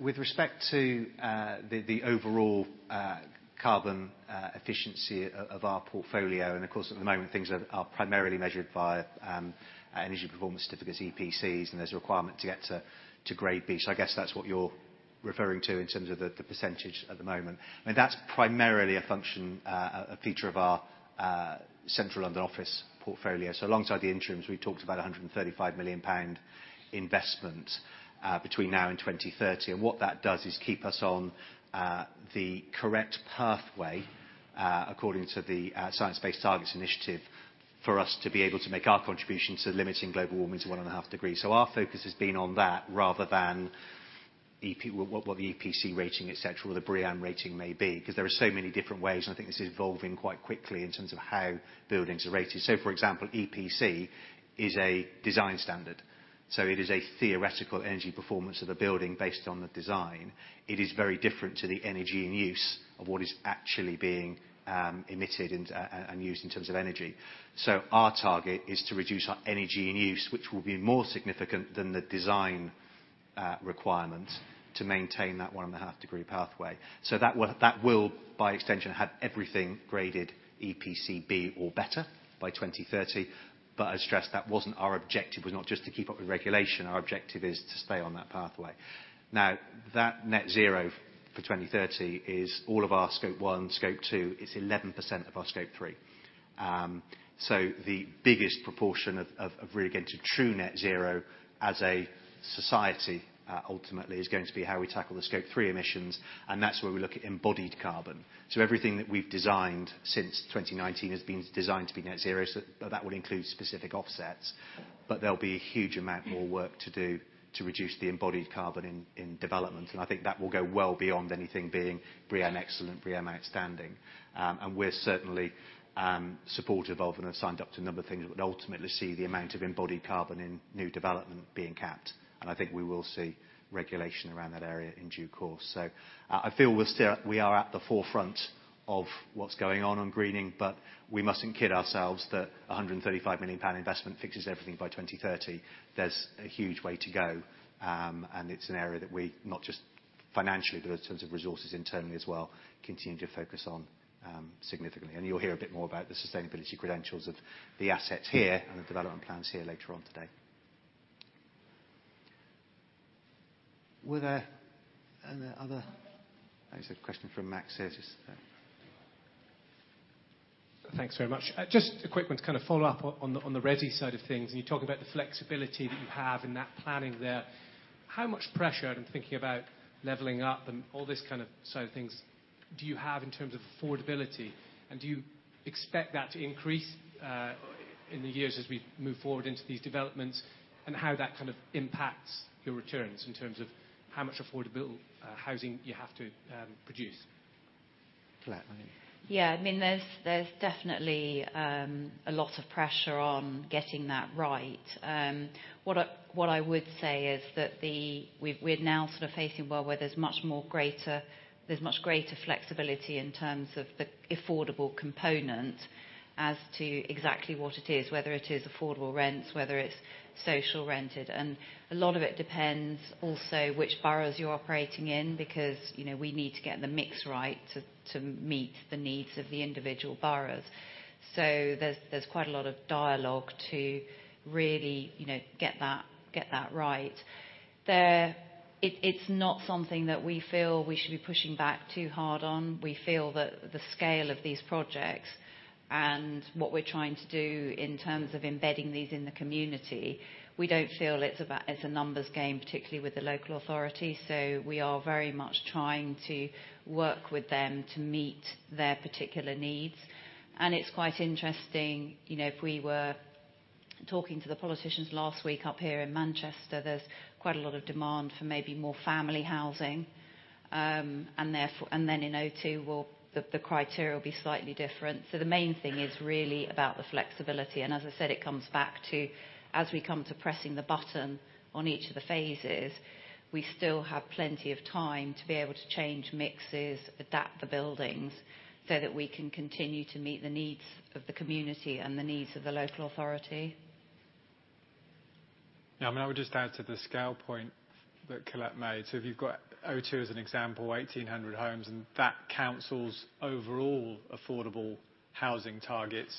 With respect to the overall carbon efficiency of our portfolio, and of course, at the moment, things are primarily measured by energy performance certificates, EPCs, and there's a requirement to get to Grade B. I guess that's what you're referring to in terms of the percentage at the moment. I mean, that's primarily a feature of our Central London office portfolio. Alongside the interims, we talked about 135 million pound investment between now and 2030. What that does is keep us on the correct pathway according to the Science Based Targets initiative for us to be able to make our contribution to limiting global warming to 1.5 degrees. Our focus has been on that rather than EPCs. What the EPC rating, et cetera, or the BREEAM rating may be, 'cause there are so many different ways, and I think this is evolving quite quickly in terms of how buildings are rated. For example, EPC is a design standard, so it is a theoretical energy performance of the building based on the design. It is very different to the energy in use of what is actually being emitted and used in terms of energy. Our target is to reduce our energy in use, which will be more significant than the design requirement to maintain that 1.5-degree pathway. That will, by extension, have everything graded EPC B or better by 2030. I stress that wasn't our objective, was not just to keep up with regulation. Our objective is to stay on that pathway. Now, that net zero for 2030 is all of our Scope 1, Scope 2. It's 11% of our Scope 3. The biggest proportion of really getting to true net zero as a society ultimately is going to be how we tackle the Scope 3 emissions, and that's where we look at embodied carbon. Everything that we've designed since 2019 has been designed to be net zero, but that would include specific offsets. There'll be a huge amount more work to do to reduce the embodied carbon in development. I think that will go well beyond anything being BREEAM Excellent, BREEAM Outstanding. We're certainly supportive of and have signed up to a number of things that would ultimately see the amount of embodied carbon in new development being capped. I think we will see regulation around that area in due course. I feel we are at the forefront of what's going on on greening, but we mustn't kid ourselves that 135 million pound investment fixes everything by 2030. There's a huge way to go. It's an area that we, not just financially, but in terms of resources internally as well, continue to focus on significantly. You'll hear a bit more about the sustainability credentials of the assets here and the development plans here later on today. Were there any other. I see a question from Max here. Just Thanks very much. Just a quick one to kind of follow up on the resi side of things, and you talk about the flexibility that you have in that planning there. How much pressure, and thinking about leveling up and all this kind of side of things, do you have in terms of affordability? Do you expect that to increase in the years as we move forward into these developments? How that kind of impacts your returns in terms of how much affordable housing you have to produce? Colette, maybe. Yeah, I mean, there's definitely a lot of pressure on getting that right. What I would say is that we're now sort of facing a world where there's much greater flexibility in terms of the affordable component as to exactly what it is. Whether it is affordable rents, whether it's social rented. A lot of it depends also which boroughs you're operating in, because, you know, we need to get the mix right to meet the needs of the individual boroughs. There's quite a lot of dialogue to really, you know, get that right. It's not something that we feel we should be pushing back too hard on. We feel that the scale of these projects and what we're trying to do in terms of embedding these in the community, we don't feel it's about, it's a numbers game, particularly with the local authority. We are very much trying to work with them to meet their particular needs. It's quite interesting, you know, if we were talking to the politicians last week up here in Manchester, there's quite a lot of demand for maybe more family housing, and then in O2, well, the criteria will be slightly different. The main thing is really about the flexibility, and as I said, it comes back to, as we come to pressing the button on each of the phases, we still have plenty of time to be able to change mixes, adapt the buildings, so that we can continue to meet the needs of the community and the needs of the local authority. Yeah. I mean, I would just add to the scale point that Colette made. If you've got O2 as an example, 1,800 homes, and that council's overall affordable housing targets,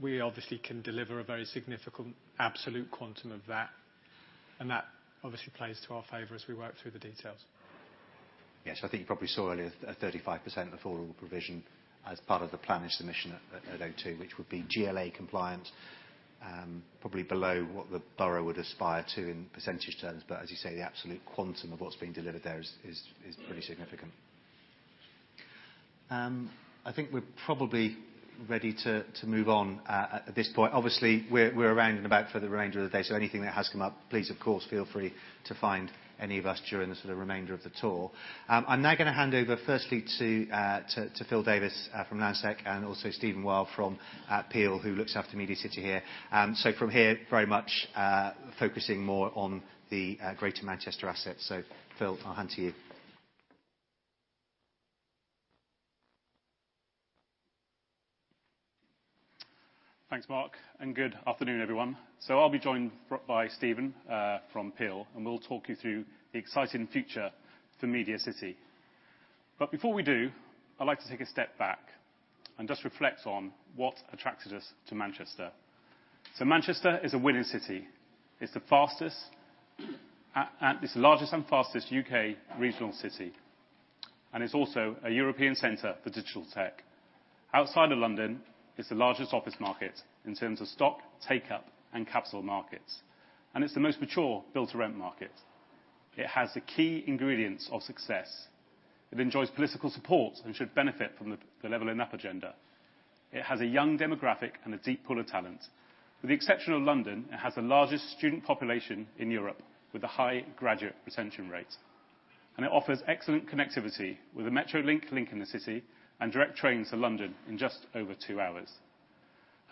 we obviously can deliver a very significant absolute quantum of that, and that obviously plays to our favor as we work through the details. Yes, I think you probably saw earlier a 35% affordable provision as part of the planning submission at O2, which would be GLA compliant, probably below what the borough would aspire to in percentage terms. As you say, the absolute quantum of what's being delivered there is pretty significant. I think we're probably ready to move on at this point. Obviously, we're around and about for the remainder of the day, so anything that has come up, please of course, feel free to find any of us during the sort of remainder of the tour. I'm now gonna hand over firstly to Phil Davis from Landsec, and also Stephen Wild from Peel, who looks after MediaCity here. From here, very much focusing more on the Greater Manchester assets. Phil, I'll hand to you. Thanks, Mark, and good afternoon, everyone. I'll be joined by Stephen from Peel, and we'll talk you through the exciting future for MediaCityUK. Before we do, I'd like to take a step back and just reflect on what attracted us to Manchester. Manchester is a winning city. It's the fastest. It's the largest and fastest U.K. regional city, and it's also a European center for digital tech. Outside of London, it's the largest office market in terms of stock, take-up, and capital markets, and it's the most mature build-to-rent market. It has the key ingredients of success. It enjoys political support and should benefit from the leveling up agenda. It has a young demographic and a deep pool of talent. With the exception of London, it has the largest student population in Europe with a high graduate retention rate. It offers excellent connectivity with a Metrolink link in the city and direct trains to London in just over two hours.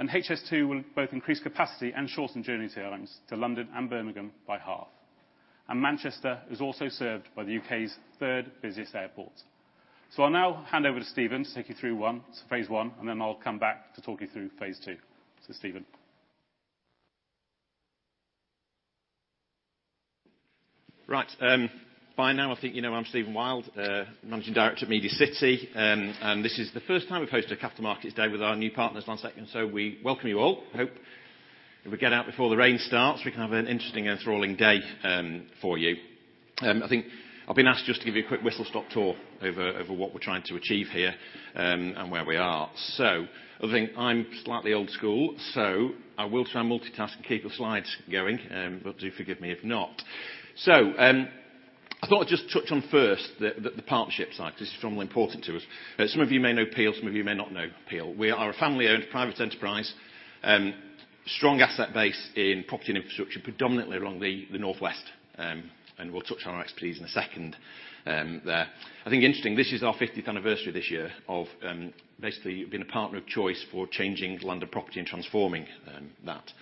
HS2 will both increase capacity and shorten journey times to London and Birmingham by half. Manchester is also served by the U.K.'s third busiest airport. I'll now hand over to Stephen to take you through one, phase one, and then I'll come back to talk you through phase two. Stephen. Right. By now I think you know I'm Stephen Wild, Managing Director at Media City. This is the first time we've hosted a capital markets day with our new partners, Landsec, and so we welcome you all. I hope if we get out before the rain starts, we can have an interesting, enthralling day, for you. I think I've been asked just to give you a quick whistle-stop tour over what we're trying to achieve here, and where we are. I think I'm slightly old school, so I will try and multitask and keep the slides going, but do forgive me if not. I thought I'd just touch on first the partnership side, 'cause it's extremely important to us. Some of you may know Peel, some of you may not know Peel. We are a family-owned private enterprise. Strong asset base in property and infrastructure, predominantly along the northwest. And we'll touch on our expertise in a second, there. I think interesting, this is our fiftieth anniversary this year of basically being a partner of choice for changing the landscape of property and transforming that.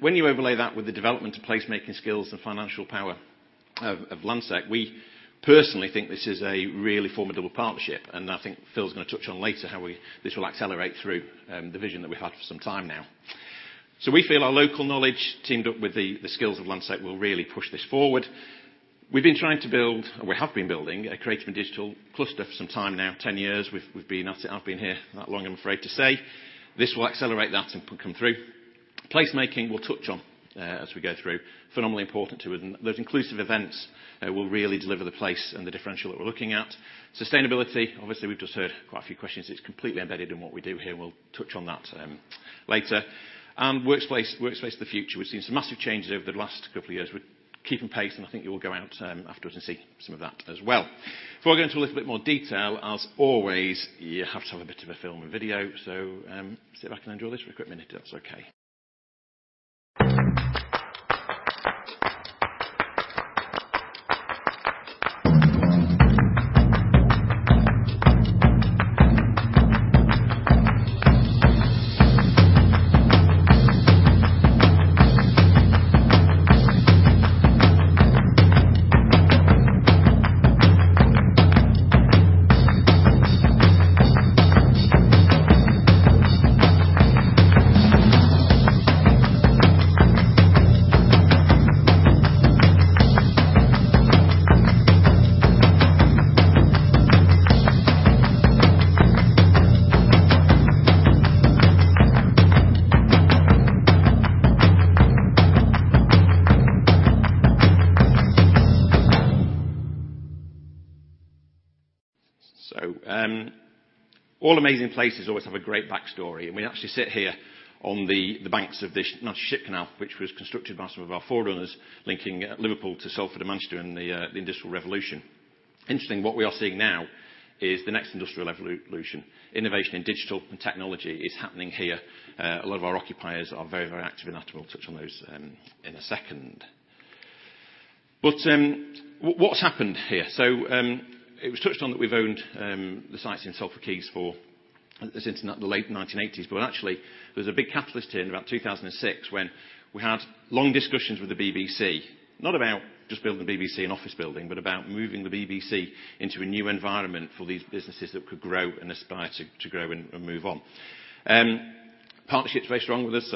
When you overlay that with the development of placemaking skills and financial power of Landsec, we personally think this is a really formidable partnership, and I think Phil's gonna touch on later how we, this will accelerate through the vision that we've had for some time now. We feel our local knowledge teamed up with the skills of Landsec will really push this forward. We've been trying to build, and we have been building a creative and digital cluster for some time now. 10 years we've been at it. I've been here that long, I'm afraid to say. This will accelerate that and come through. Placemaking, we'll touch on as we go through. Phenomenally important to it, and those inclusive events will really deliver the place and the differential that we're looking at. Sustainability, obviously, we've just heard quite a few questions. It's completely embedded in what we do here, and we'll touch on that later. Workspace of the future. We've seen some massive changes over the last couple of years. We're keeping pace, and I think you will go out afterwards and see some of that as well. Before I go into a little bit more detail, as always, you have to have a bit of a film and video. Sit back and enjoy this for a quick minute, if that's okay. All amazing places always have a great backstory, and we actually sit here on the banks of this Manchester Ship Canal which was constructed by some of our forerunners linking Liverpool to Salford and Manchester in the Industrial Revolution. Interesting, what we are seeing now is the next industrial evolution. Innovation in digital and technology is happening here. A lot of our occupiers are very, very active in that, and we'll touch on those in a second. What's happened here? It was touched on that we've owned the sites in Salford Quays since the late 1980s. Actually, there was a big catalyst here in about 2006 when we had long discussions with the BBC. Not about just building the BBC an office building, but about moving the BBC into a new environment for these businesses that could grow and aspire to grow and move on. Partnership's very strong with us.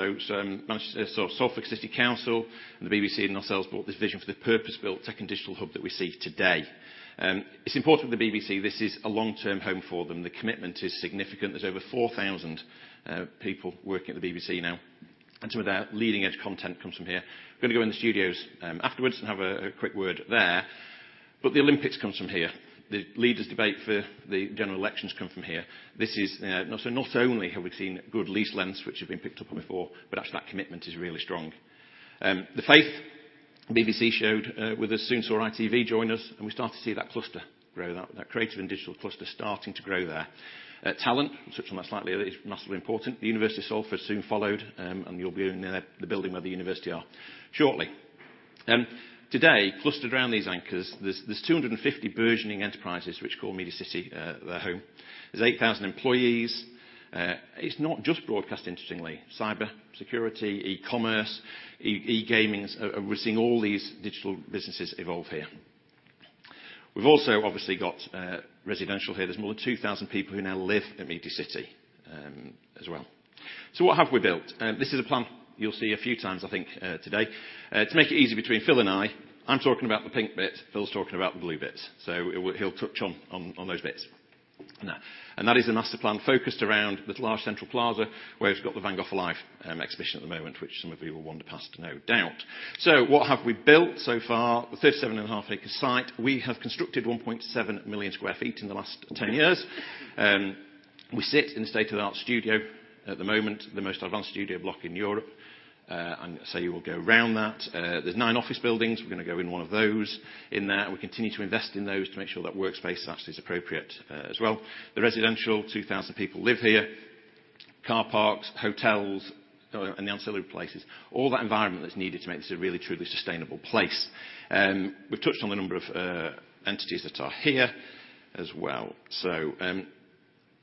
Salford City Council and the BBC and ourselves brought this vision for the purpose-built tech and digital hub that we see today. It's important for the BBC. This is a long-term home for them. The commitment is significant. There's over 4,000 people working at the BBC now, and some of their leading-edge content comes from here. We're gonna go in the studios afterwards and have a quick word there. The Olympics comes from here. The leaders' debate for the general elections come from here. This is Not only have we seen good lease lengths, which have been picked up on before, but actually that commitment is really strong. The faith BBC showed with us soon saw ITV join us, and we started to see that creative and digital cluster starting to grow there. Talent, we touched on that slightly earlier, is massively important. The University of Salford soon followed, and you'll be near the building where the university are shortly. Today, clustered around these anchors, there's 250 burgeoning enterprises which call MediaCity their home. There's 8,000 employees. It's not just broadcast, interestingly. Cyber security, e-commerce, e-gamings. We're seeing all these digital businesses evolve here. We've also obviously got residential here. There's more than 2,000 people who now live at MediaCity, as well. What have we built? This is a plan you'll see a few times, I think, today. To make it easy between Phil and I'm talking about the pink bits, Phil's talking about the blue bits. He'll touch on those bits. That is the master plan focused around this large central plaza, where it's got the Van Gogh Alive exhibition at the moment, which some of you will wander past, no doubt. What have we built so far? The 37.5-acre site, we have constructed 1.7 million sq ft in the last 10 years. We sit in a state-of-the-art studio at the moment, the most advanced studio block in Europe. You will go round that. There's nine office buildings. We're gonna go in one of those in there. We continue to invest in those to make sure that workspace actually is appropriate, as well. The residential, 2,000 people live here. Car parks, hotels, and the ancillary places. All that environment that's needed to make this a really truly sustainable place. We've touched on the number of entities that are here as well.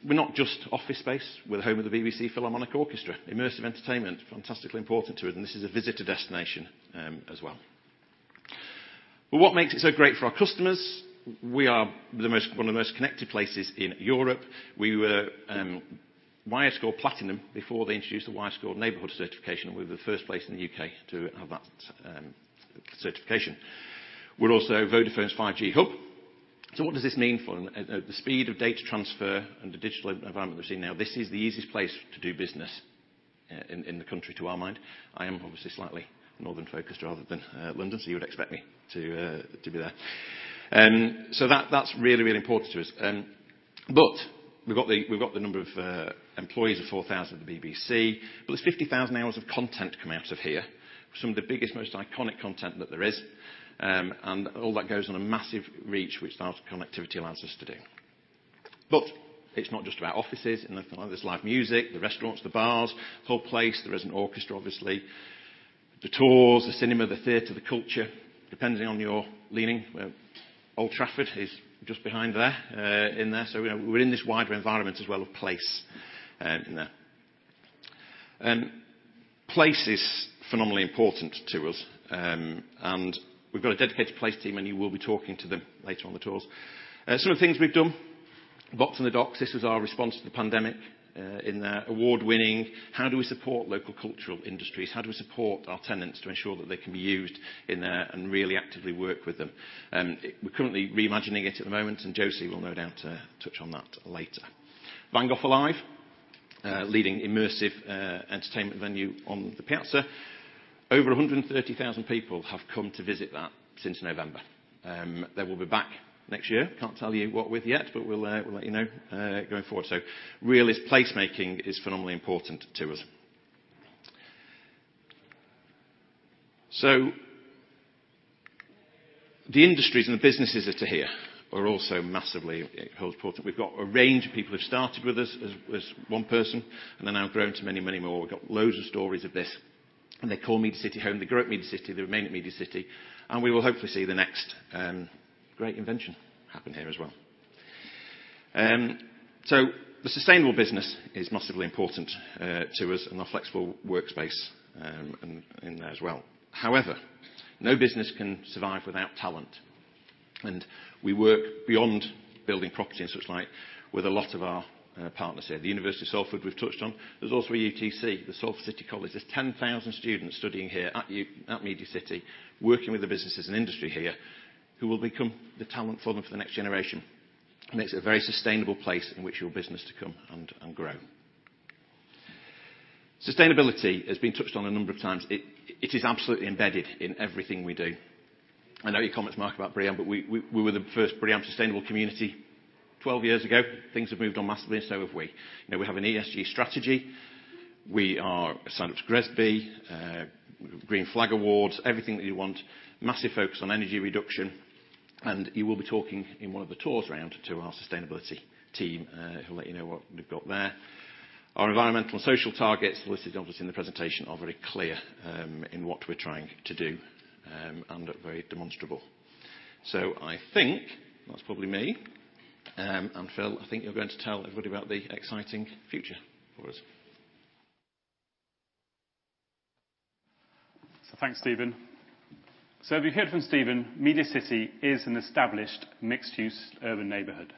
We're not just office space. We're the home of the BBC Philharmonic Orchestra. Immersive entertainment, fantastically important to it, and this is a visitor destination, as well. What makes it so great for our customers? We are one of the most connected places in Europe. We were WiredScore Platinum before they introduced the WiredScore Neighborhood Certification. We were the first place in the U.K. to have that certification. We're also Vodafone's 5G hub. What does this mean for The speed of data transfer and the digital environment we're seeing now, this is the easiest place to do business in the country, to our mind. I am obviously slightly northern focused rather than London, so you would expect me to be there. That's really important to us. We've got the number of employees of 4,000 at the BBC, but there's 50,000 hours of content come out of here. Some of the biggest, most iconic content that there is. All that goes on a massive reach, which that connectivity allows us to do. It's not just about offices and nothing like that. There's live music, the restaurants, the bars, the whole place. There is an orchestra, obviously. The tours, the cinema, the theater, the culture, depending on your leaning. Old Trafford is just behind there, in there. You know, we're in this wider environment as well of place, there. Place is phenomenally important to us. We've got a dedicated place team, and you will be talking to them later on the tours. Some of the things we've done, Box on the Docks, this is our response to the pandemic, in that award-winning how do we support local cultural industries, how do we support our tenants to ensure that they can be used in there and really actively work with them. We're currently reimagining it at the moment, and Josie will no doubt touch on that later. Van Gogh Alive, leading immersive entertainment venue on the piazza. Over 130,000 people have come to visit that since November. They will be back next year. Can't tell you what with yet, but we'll let you know going forward. Really, place-making is phenomenally important to us. The industries and the businesses that are here are also massively important. We've got a range of people who've started with us as one person and then now grown to many more. We've got loads of stories of this, and they call MediaCityUK home. They grew up MediaCityUK. They remain at MediaCityUK, and we will hopefully see the next great invention happen here as well. The sustainable business is massively important to us and our flexible workspace in there as well. However, no business can survive without talent, and we work beyond building property and such like with a lot of our partners here, the University of Salford we've touched on. There's also UTC@MediaCityUK, the Salford City College. There's 10,000 students studying here at MediaCityUK, working with the businesses and industry here who will become the talent for them for the next generation. Makes it a very sustainable place in which your business to come and grow. Sustainability has been touched on a number of times. It is absolutely embedded in everything we do. I know your comments, Mark, about BREEAM, but we were the first BREEAM sustainable community 12 years ago. Things have moved on massively, and so have we. You know, we have an ESG strategy. We are signed up to GRESB, Green Flag Awards, everything that you want, massive focus on energy reduction, and you will be talking in one of the tours around to our sustainability team, who'll let you know what we've got there. Our environmental and social targets listed obviously in the presentation are very clear, in what we're trying to do, and are very demonstrable. I think that's probably me. Phil, I think you're going to tell everybody about the exciting future for us. Thanks, Stephen. If you heard from Stephen, MediaCityUK is an established mixed-use urban neighborhood.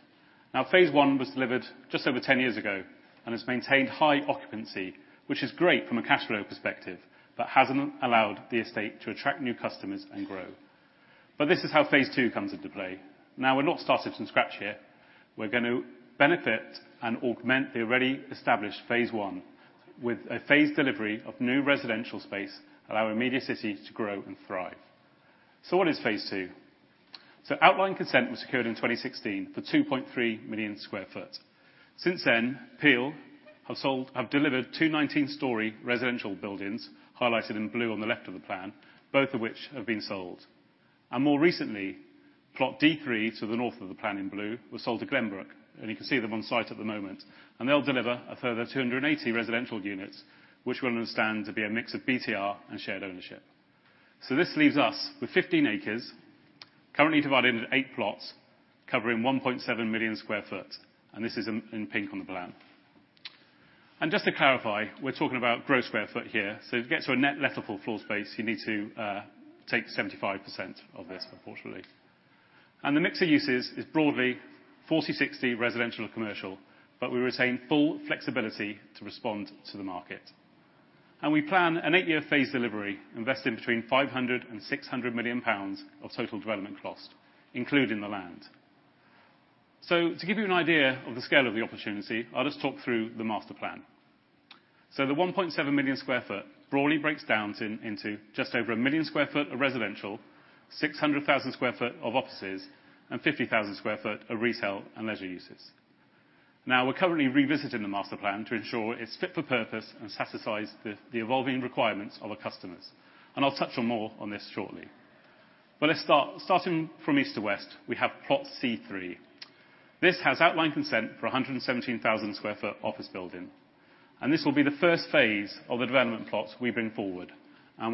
Now phase one was delivered just over 10 years ago and has maintained high occupancy, which is great from a cash flow perspective, but hasn't allowed the estate to attract new customers and grow. This is how phase two comes into play. Now we're not starting from scratch here. We're going to benefit and augment the already established phase one with a phased delivery of new residential space, allowing MediaCityUK to grow and thrive. What is phase two? Outline consent was secured in 2016 for 2.3 million sq ft. Since then, Peel have delivered two 19-story residential buildings, highlighted in blue on the left of the plan, both of which have been sold. More recently, plot D3 to the north of the plan in blue was sold to Glenbrook, and you can see them on site at the moment. They'll deliver a further 280 residential units, which we'll understand to be a mix of BTR and shared ownership. This leaves us with 15 acres, currently divided into 8 plots covering 1.7 million sq ft, and this is in pink on the plan. Just to clarify, we're talking about gross sq ft here, so to get to a net lettable floor space, you need to take 75% of this, unfortunately. The mix of uses is broadly 40-60 residential and commercial, but we retain full flexibility to respond to the market. We plan an eight-year phased delivery, investing between 500 million pounds and 600 million pounds of total development cost, including the land. To give you an idea of the scale of the opportunity, I'll just talk through the master plan. The 1.7 million sq ft broadly breaks down into just over 1 million sq ft of residential, 600,000 sq ft of offices, and 50,000 sq ft of retail and leisure uses. Now we're currently revisiting the master plan to ensure it's fit for purpose and satisfies the evolving requirements of our customers, and I'll touch on more on this shortly. Let's start from east to west, we have plot C3. This has outline consent for 117,000 sq ft office building, and this will be the first phase of the development plots we bring forward.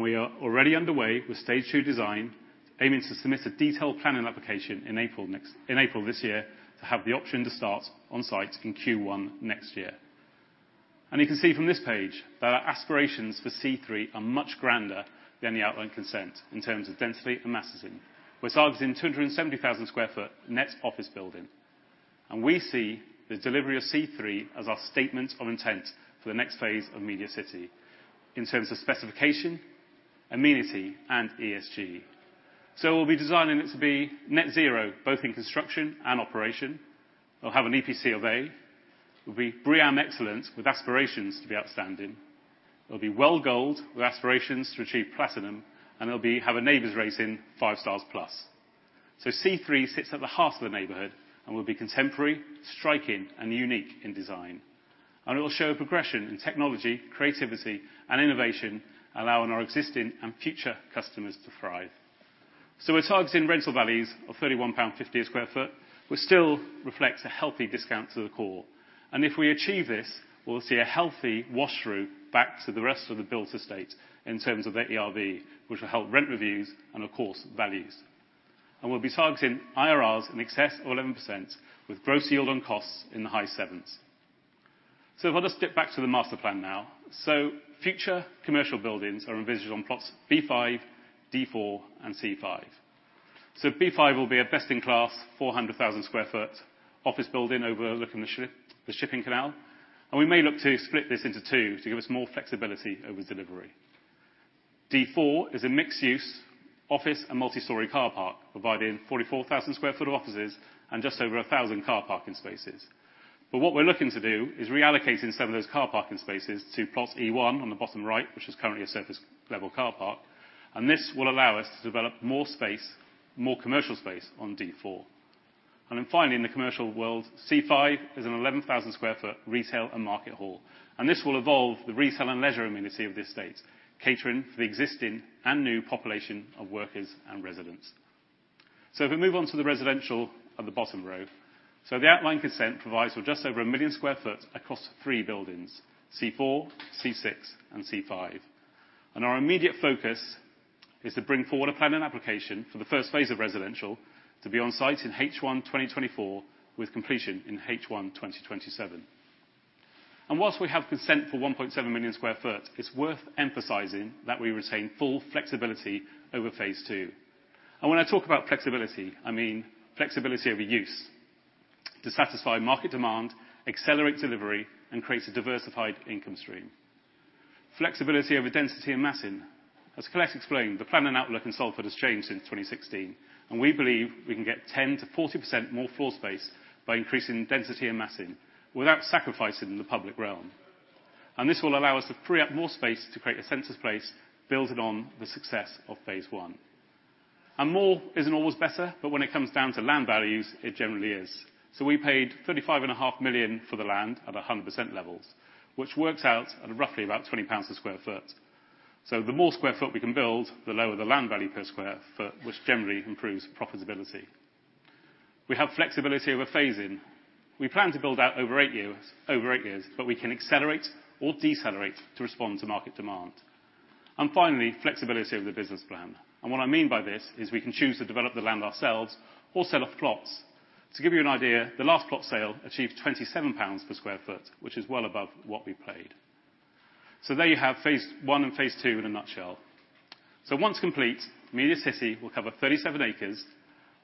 We are already underway with stage two design, aiming to submit a detailed planning application in April this year to have the option to start on site in Q1 next year. You can see from this page that our aspirations for C3 are much grander than the outlined consent in terms of density and massing. We're targeting 270,000 sq ft net office building, and we see the delivery of C3 as our statement of intent for the next phase of Media City in terms of specification, amenity, and ESG. We'll be designing it to be net zero, both in construction and operation. It'll have an EPC of A. It'll be BREEAM Excellent with aspirations to be Outstanding. It'll be WELL Gold with aspirations to achieve Platinum, and it'll have a NABERS rating five stars plus. C3 sits at the heart of the neighborhood and will be contemporary, striking, and unique in design. It will show progression in technology, creativity, and innovation, allowing our existing and future customers to thrive. We're targeting rental values of 31.50 pound/sq ft, which still reflects a healthy discount to the core. If we achieve this, we'll see a healthy wash through back to the rest of the built estate in terms of the ERV, which will help rent reviews and, of course, values. We'll be targeting IRRs in excess of 11% with gross yield on costs in the high 7s. If I just dip back to the master plan now. Future commercial buildings are envisaged on plots B5, D4, and C5. B5 will be a best-in-class 400,000 sq ft office building overlooking the shipping canal, and we may look to split this into two to give us more flexibility over delivery. D4 is a mixed use office and multistory car park, providing 44,000 sq ft of offices and just over 1,000 car parking spaces. What we're looking to do is reallocating some of those car parking spaces to plot E1 on the bottom right, which is currently a surface level car park, and this will allow us to develop more space, more commercial space on D4. Finally, in the commercial world, C5 is an 11,000 sq ft retail and market hall, and this will evolve the retail and leisure amenity of this estate, catering for the existing and new population of workers and residents. If we move on to the residential at the bottom row. The outline consent provides for just over 1 million sq ft across three buildings, C4, C6, and C5. Our immediate focus is to bring forward a planning application for the first phase of residential to be on site in H1 2024, with completion in H1 2027. While we have consent for 1.7 million sq ft, it's worth emphasizing that we retain full flexibility over phase two. When I talk about flexibility, I mean flexibility over use to satisfy market demand, accelerate delivery, and create a diversified income stream. Flexibility over density and massing. As Colette explained, the planning outlook in Salford has changed since 2016, and we believe we can get 10%-40% more floor space by increasing density and massing without sacrificing the public realm. This will allow us to free up more space to create a sense of place, building on the success of phase I. More isn't always better, but when it comes down to land values, it generally is. We paid 35.5 million for the land at 100% levels, which works out at roughly about 20 pounds per sq ft. The more square foot we can build, the lower the land value per square foot, which generally improves profitability. We have flexibility over phase-in. We plan to build out over eight years, but we can accelerate or decelerate to respond to market demand. Finally, flexibility over the business plan. What I mean by this is we can choose to develop the land ourselves or sell off plots. To give you an idea, the last plot sale achieved 27 pounds per sq ft, which is well above what we paid. There you have phase I and phase II in a nutshell. Once complete, MediaCityUK will cover 37 acres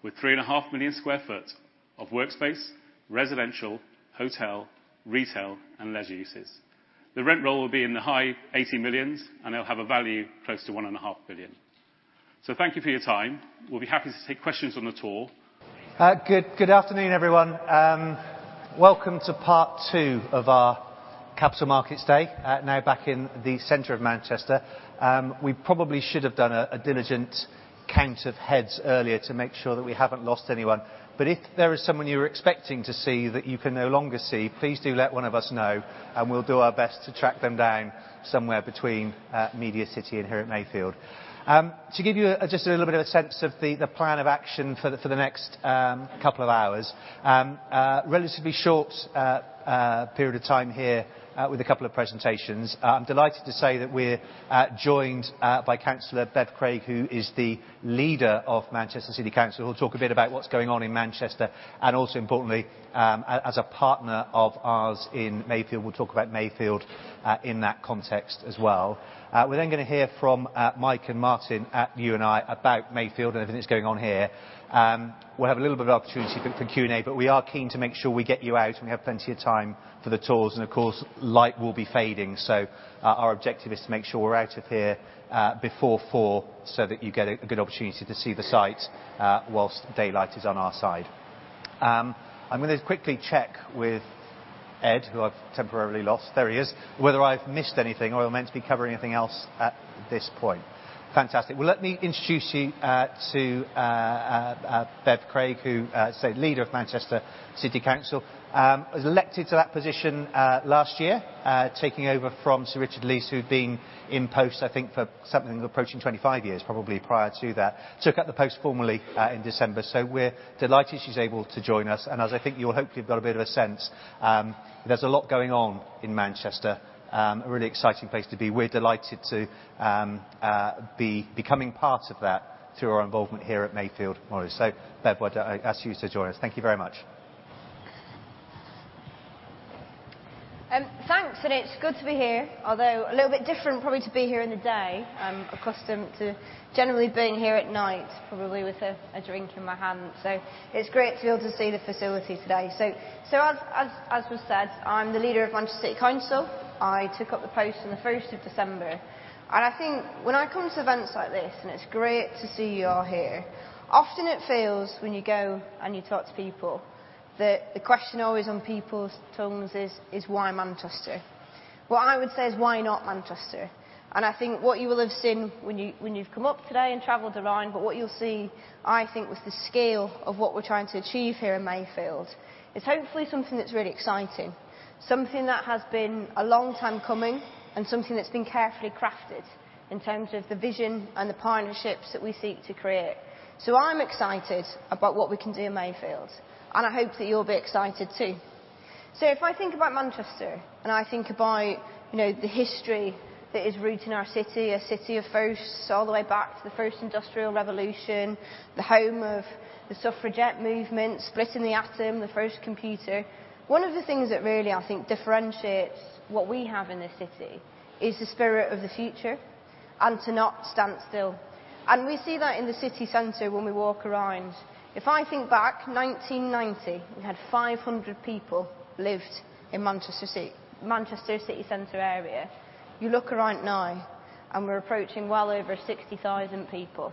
with 3.5 million sq ft of workspace, residential, hotel, retail, and leisure uses. The rent roll will be in the high 80 millions, and it'll have a value close to 1.5 billion. Thank you for your time. We'll be happy to take questions on the tour. Good afternoon, everyone. Welcome to part two of our Capital Markets Day, now back in the center of Manchester. We probably should have done a diligent count of heads earlier to make sure that we haven't lost anyone. If there is someone you were expecting to see that you can no longer see, please do let one of us know, and we'll do our best to track them down somewhere between Media City and here at Mayfield. To give you just a little bit of a sense of the plan of action for the next couple of hours, relatively short period of time here, with a couple of presentations. I'm delighted to say that we're joined by Councillor Bev Craig, who is the Leader of Manchester City Council, who'll talk a bit about what's going on in Manchester, and also importantly, as a partner of ours in Mayfield. We'll talk about Mayfield in that context as well. We're then gonna hear from Mike and Martin at U+I about Mayfield and everything that's going on here. We'll have a little bit of opportunity for Q&A, but we are keen to make sure we get you out and we have plenty of time for the tours and of course, light will be fading, so our objective is to make sure we're out of here before four so that you get a good opportunity to see the site whilst daylight is on our side. I'm gonna quickly check with Ed, who I've temporarily lost, there he is, whether I've missed anything or you want me to be covering anything else at this point. Fantastic. Well, let me introduce you to Bev Craig, who as I say, Leader of Manchester City Council, was elected to that position, last year, taking over from Sir Richard Leese, who'd been in post I think for something approaching 25 years, probably prior to that. Took up the post formally, in December, so we're delighted she's able to join us. As I think you'll hopefully have got a bit of a sense, there's a lot going on in Manchester, a really exciting place to be. We're delighted to be becoming part of that through our involvement here at Mayfield. Bev, I ask you to join us. Thank you very much. Thanks, it's good to be here, although a little bit different probably to be here in the day. I'm accustomed to generally being here at night, probably with a drink in my hand. It's great to be able to see the facility today. As was said, I'm the leader of Manchester City Council. I took up the post on the first of December. I think when I come to events like this, and it's great to see you all here, often it feels, when you go and you talk to people, the question always on people's tongues is why Manchester? What I would say is, why not Manchester? I think what you will have seen when you've come up today and traveled around, but what you'll see, I think, was the scale of what we're trying to achieve here in Mayfield. It's hopefully something that's really exciting, something that has been a long time coming, and something that's been carefully crafted in terms of the vision and the partnerships that we seek to create. I'm excited about what we can do in Mayfield, and I hope that you'll be excited too. If I think about Manchester, and I think about, you know, the history that is rooted in our city, a city of firsts all the way back to the first industrial revolution, the home of the Suffragette movement, splitting the atom, the first computer. One of the things that really, I think, differentiates what we have in this city is the spirit of the future and to not stand still. We see that in the city center when we walk around. If I think back, 1990, we had 500 people lived in Manchester City Centre area. You look around now, and we're approaching well over 60,000 people.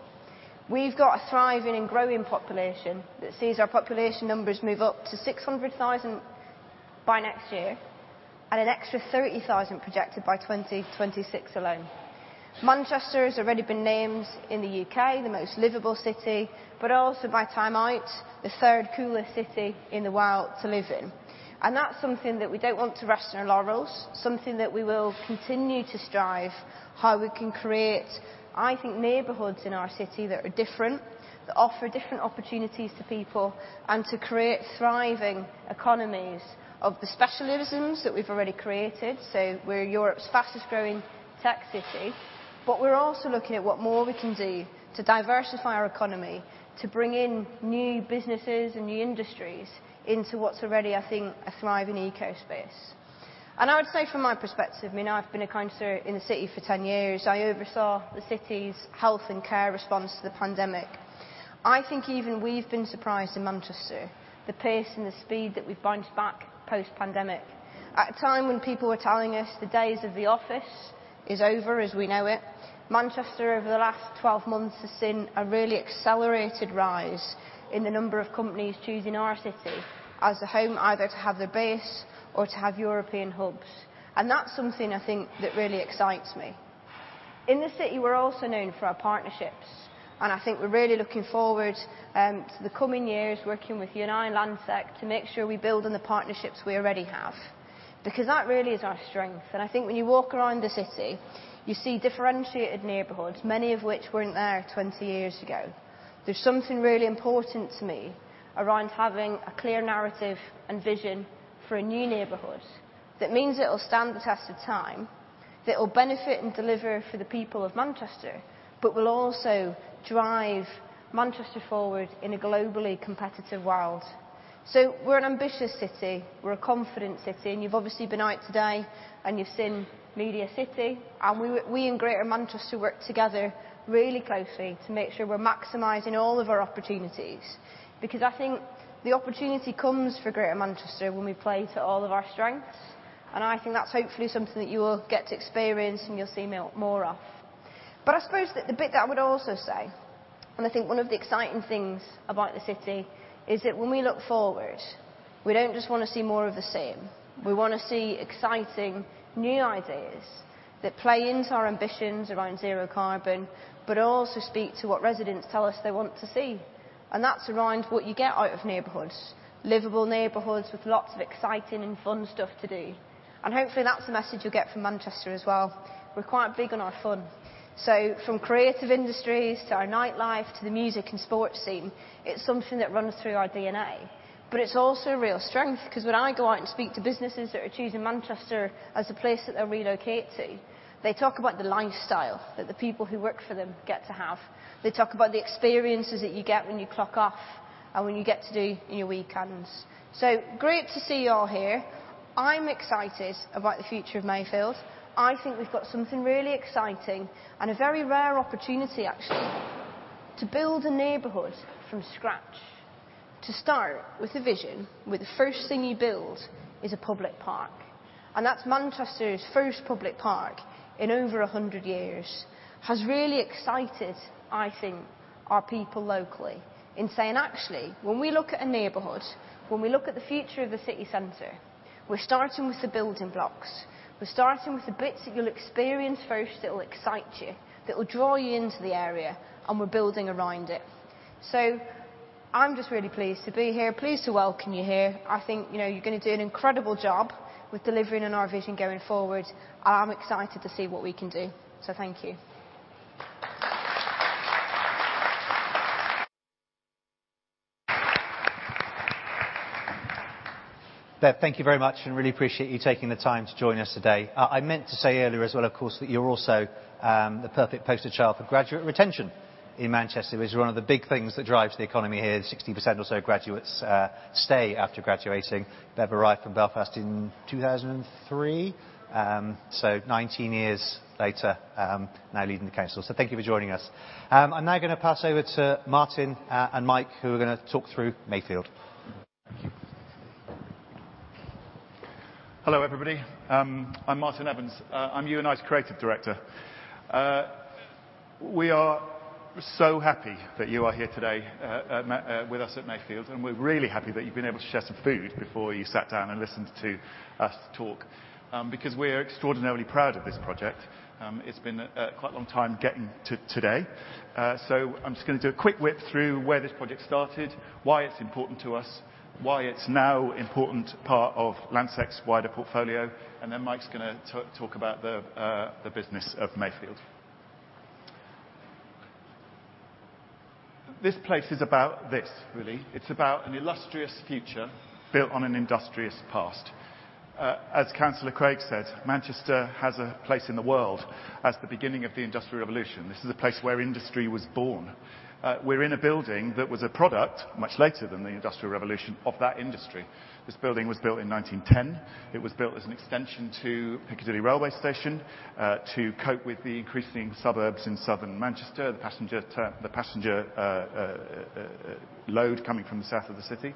We've got a thriving and growing population that sees our population numbers move up to 600,000 by next year and an extra 30,000 projected by 2026 alone. Manchester has already been named in the UK the most livable city, but also by Time Out, the third coolest city in the world to live in. That's something that we don't want to rest on our laurels, something that we will continue to strive how we can create, I think, neighborhoods in our city that are different, that offer different opportunities to people, and to create thriving economies of the specialisms that we've already created. We're Europe's fastest growing tech city, but we're also looking at what more we can do to diversify our economy, to bring in new businesses and new industries into what's already, I think, a thriving eco space. I would say from my perspective, I mean, I've been a councillor in the city for 10 years. I oversaw the city's health and care response to the pandemic. I think even we've been surprised in Manchester, the pace and the speed that we've bounced back post-pandemic. At a time when people were telling us the days of the office is over as we know it, Manchester over the last 12 months has seen a really accelerated rise in the number of companies choosing our city as a home either to have their base or to have European hubs. That's something I think that really excites me. In the city, we're also known for our partnerships, and I think we're really looking forward to the coming years working with U+I, Landsec, to make sure we build on the partnerships we already have, because that really is our strength. I think when you walk around the city, you see differentiated neighborhoods, many of which weren't there 20 years ago. There's something really important to me around having a clear narrative and vision for a new neighborhood that means it'll stand the test of time, that will benefit and deliver for the people of Manchester, but will also drive Manchester forward in a globally competitive world. We're an ambitious city, we're a confident city, and you've obviously been out today and you've seen MediaCityUK. We in Greater Manchester work together really closely to make sure we're maximizing all of our opportunities. Because I think the opportunity comes for Greater Manchester when we play to all of our strengths, and I think that's hopefully something that you will get to experience and you'll see more of. I suppose the bit that I would also say, and I think one of the exciting things about the city, is that when we look forward, we don't just want to see more of the same. We want to see exciting new ideas that play into our ambitions around zero carbon, but also speak to what residents tell us they want to see. That's around what you get out of neighborhoods, livable neighborhoods with lots of exciting and fun stuff to do. Hopefully, that's the message you'll get from Manchester as well. We're quite big on our fun. From creative industries to our nightlife, to the music and sports scene, it's something that runs through our DNA. It's also a real strength because when I go out and speak to businesses that are choosing Manchester as a place that they'll relocate to, they talk about the lifestyle that the people who work for them get to have. They talk about the experiences that you get when you clock off and when you get to do in your weekends. Great to see you all here. I'm excited about the future of Mayfield. I think we've got something really exciting and a very rare opportunity actually to build a neighborhood from scratch. To start with a vision where the first thing you build is a public park, and that's Manchester's first public park in over a hundred years, has really excited, I think, our people locally in saying, "Actually, when we look at a neighborhood, when we look at the future of the city center, we're starting with the building blocks. We're starting with the bits that you'll experience first, that will excite you, that will draw you into the area, and we're building around it." I'm just really pleased to be here, pleased to welcome you here. I think, you know, you're gonna do an incredible job with delivering on our vision going forward. I'm excited to see what we can do. Thank you. Bev, thank you very much, and really appreciate you taking the time to join us today. I meant to say earlier as well, of course, that you're also the perfect poster child for graduate retention in Manchester, which is one of the big things that drives the economy here. 60% or so graduates stay after graduating. Bev arrived from Belfast in 2003, 19 years later now leading the council. Thank you for joining us. I'm now gonna pass over to Martyn and Mike, who are gonna talk through Mayfield. Thank you. Hello, everybody. I'm Martyn Evans. I'm U+I's creative director. We are so happy that you are here today with us at Mayfield, and we're really happy that you've been able to share some food before you sat down and listened to us talk. Because we're extraordinarily proud of this project. It's been a quite long time getting to today. So I'm just gonna do a quick whip through where this project started, why it's important to us, why it's now important part of Landsec's wider portfolio, and then Mike's gonna talk about the business of Mayfield. This place is about this, really. It's about an illustrious future built on an industrious past. As Councillor Bev Craig said, Manchester has a place in the world as the beginning of the Industrial Revolution. This is a place where industry was born. We're in a building that was a product, much later than the Industrial Revolution, of that industry. This building was built in 1910. It was built as an extension to Piccadilly Railway Station, to cope with the increasing suburbs in southern Manchester, the passenger load coming from the south of the city.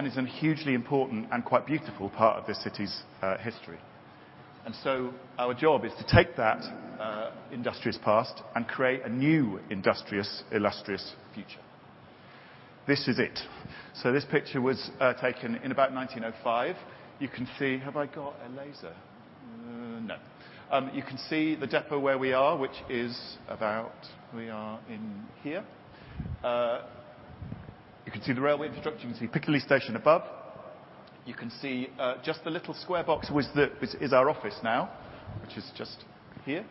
It's a hugely important and quite beautiful part of this city's history. Our job is to take that industrious past and create a new industrious, illustrious future. This is it. This picture was taken in about 1905. You can see the depot where we are. We are in here. You can see the railway infrastructure. You can see Piccadilly Station above. You can see just the little square box is our office now, which is just here,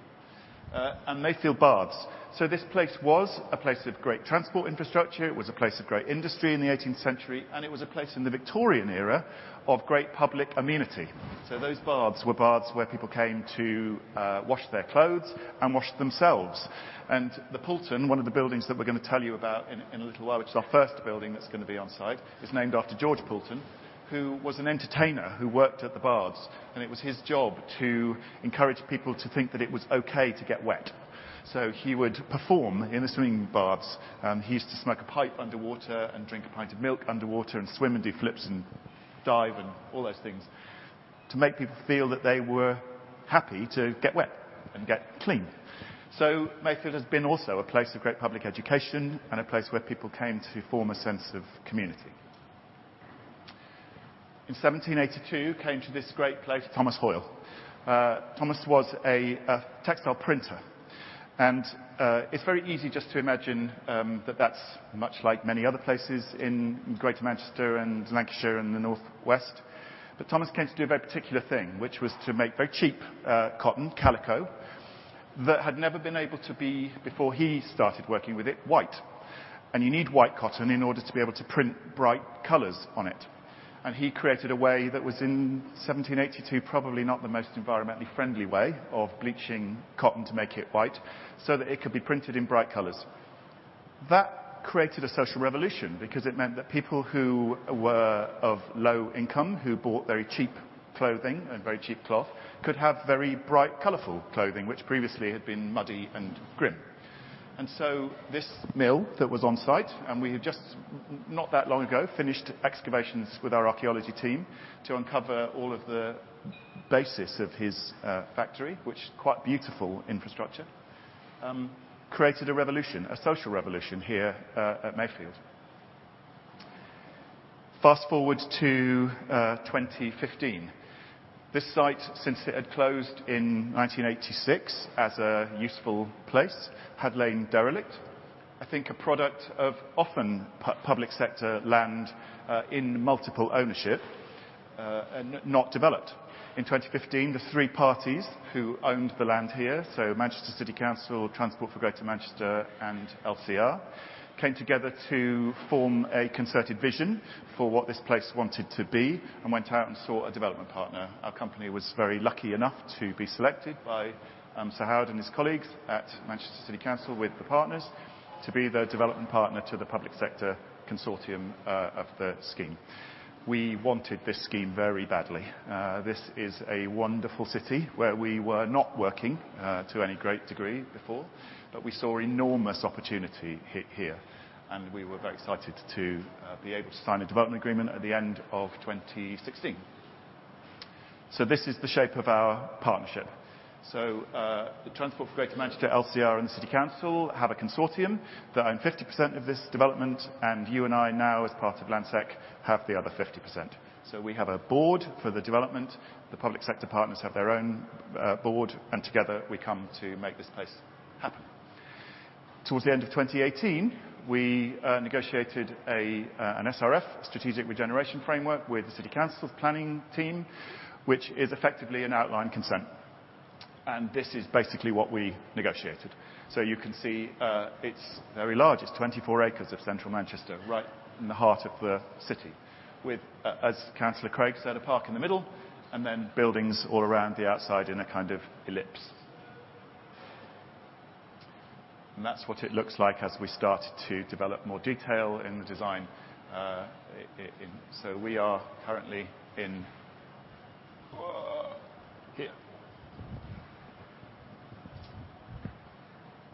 and Mayfield Baths. This place was a place of great transport infrastructure. It was a place of great industry in the eighteenth century, and it was a place in the Victorian era of great public amenity. Those baths were baths where people came to wash their clothes and wash themselves. The Poulton, one of the buildings that we're gonna tell you about in a little while, which is our first building that's gonna be on-site, is named after George Poulton, who was an entertainer who worked at the baths. It was his job to encourage people to think that it was okay to get wet. He would perform in the swimming baths, and he used to smoke a pipe underwater and drink a pint of milk underwater and swim and do flips and dive and all those things to make people feel that they were happy to get wet and get clean. Mayfield has been also a place of great public education and a place where people came to form a sense of community. In 1782 came to this great place, Thomas Hoyle. Thomas was a textile printer. It's very easy just to imagine that that's much like many other places in Greater Manchester and Lancashire and the North West. Thomas came to do a very particular thing, which was to make very cheap cotton, calico, that had never been able to be, before he started working with it, white. You need white cotton in order to be able to print bright colors on it. He created a way that was, in 1782, probably not the most environmentally friendly way of bleaching cotton to make it white, so that it could be printed in bright colors. That created a social revolution because it meant that people who were of low income, who bought very cheap clothing and very cheap cloth, could have very bright, colorful clothing, which previously had been muddy and grim. This mill that was on-site, and we have just, not that long ago, finished excavations with our archaeology team to uncover all of the basis of his factory, which is quite beautiful infrastructure, created a revolution, a social revolution here at Mayfield. Fast-forward to 2015. This site, since it had closed in 1986 as a useful place, had lain derelict. I think a product of often public sector land in multiple ownership and not developed. In 2015, the three parties who owned the land here, so Manchester City Council, Transport for Greater Manchester and LCR, came together to form a concerted vision for what this place wanted to be and went out and sought a development partner. Our company was very lucky enough to be selected by Sir Howard and his colleagues at Manchester City Council with the partners to be the development partner to the public sector consortium of the scheme. We wanted this scheme very badly. This is a wonderful city where we were not working to any great degree before, but we saw enormous opportunity here, and we were very excited to be able to sign a development agreement at the end of 2016. This is the shape of our partnership. The Transport for Greater Manchester, LCR and the City Council have a consortium that own 50% of this development, and U+I now, as part of Landsec, have the other 50%. We have a board for the development. The public sector partners have their own board, and together we come to make this place happen. Towards the end of 2018, we negotiated an SRF, Strategic Regeneration Framework, with the City Council's planning team, which is effectively an outline consent. This is basically what we negotiated. You can see it's very large. It's 24 acres of central Manchester, right in the heart of the city, with, as Councillor Bev Craig said, a park in the middle and then buildings all around the outside in a kind of ellipse. That's what it looks like as we start to develop more detail in the design. We are currently in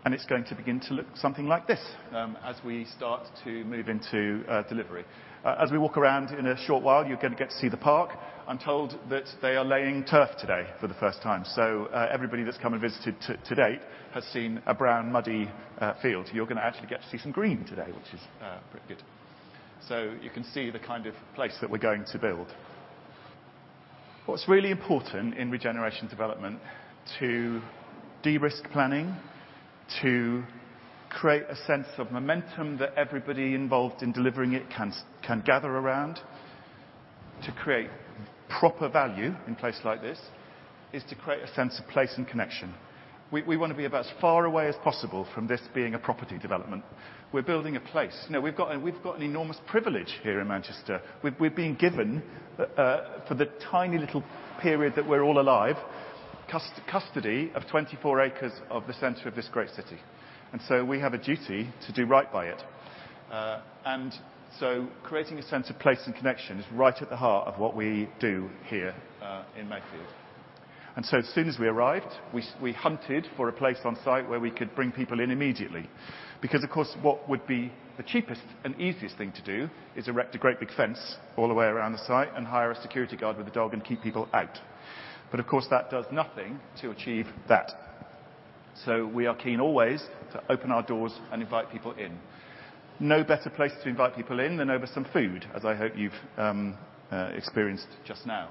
here. It's going to begin to look something like this as we start to move into delivery. As we walk around in a short while, you're gonna get to see the park. I'm told that they are laying turf today for the first time. Everybody that's come and visited to date has seen a brown, muddy field. You're gonna actually get to see some green today, which is pretty good. You can see the kind of place that we're going to build. What's really important in regeneration development to de-risk planning, to create a sense of momentum that everybody involved in delivering it can gather around. To create proper value in places like this is to create a sense of place and connection. We wanna be about as far away as possible from this being a property development. We're building a place. You know, we've got an enormous privilege here in Manchester. We're being given for the tiny little period that we're all alive, custody of 24 acres of the center of this great city, and so we have a duty to do right by it. Creating a sense of place and connection is right at the heart of what we do here, in Mayfield. As soon as we arrived, we hunted for a place on site where we could bring people in immediately because, of course, what would be the cheapest and easiest thing to do is erect a great big fence all the way around the site and hire a security guard with a dog and keep people out. Of course, that does nothing to achieve that, so we are keen always to open our doors and invite people in. No better place to invite people in than over some food, as I hope you've experienced just now.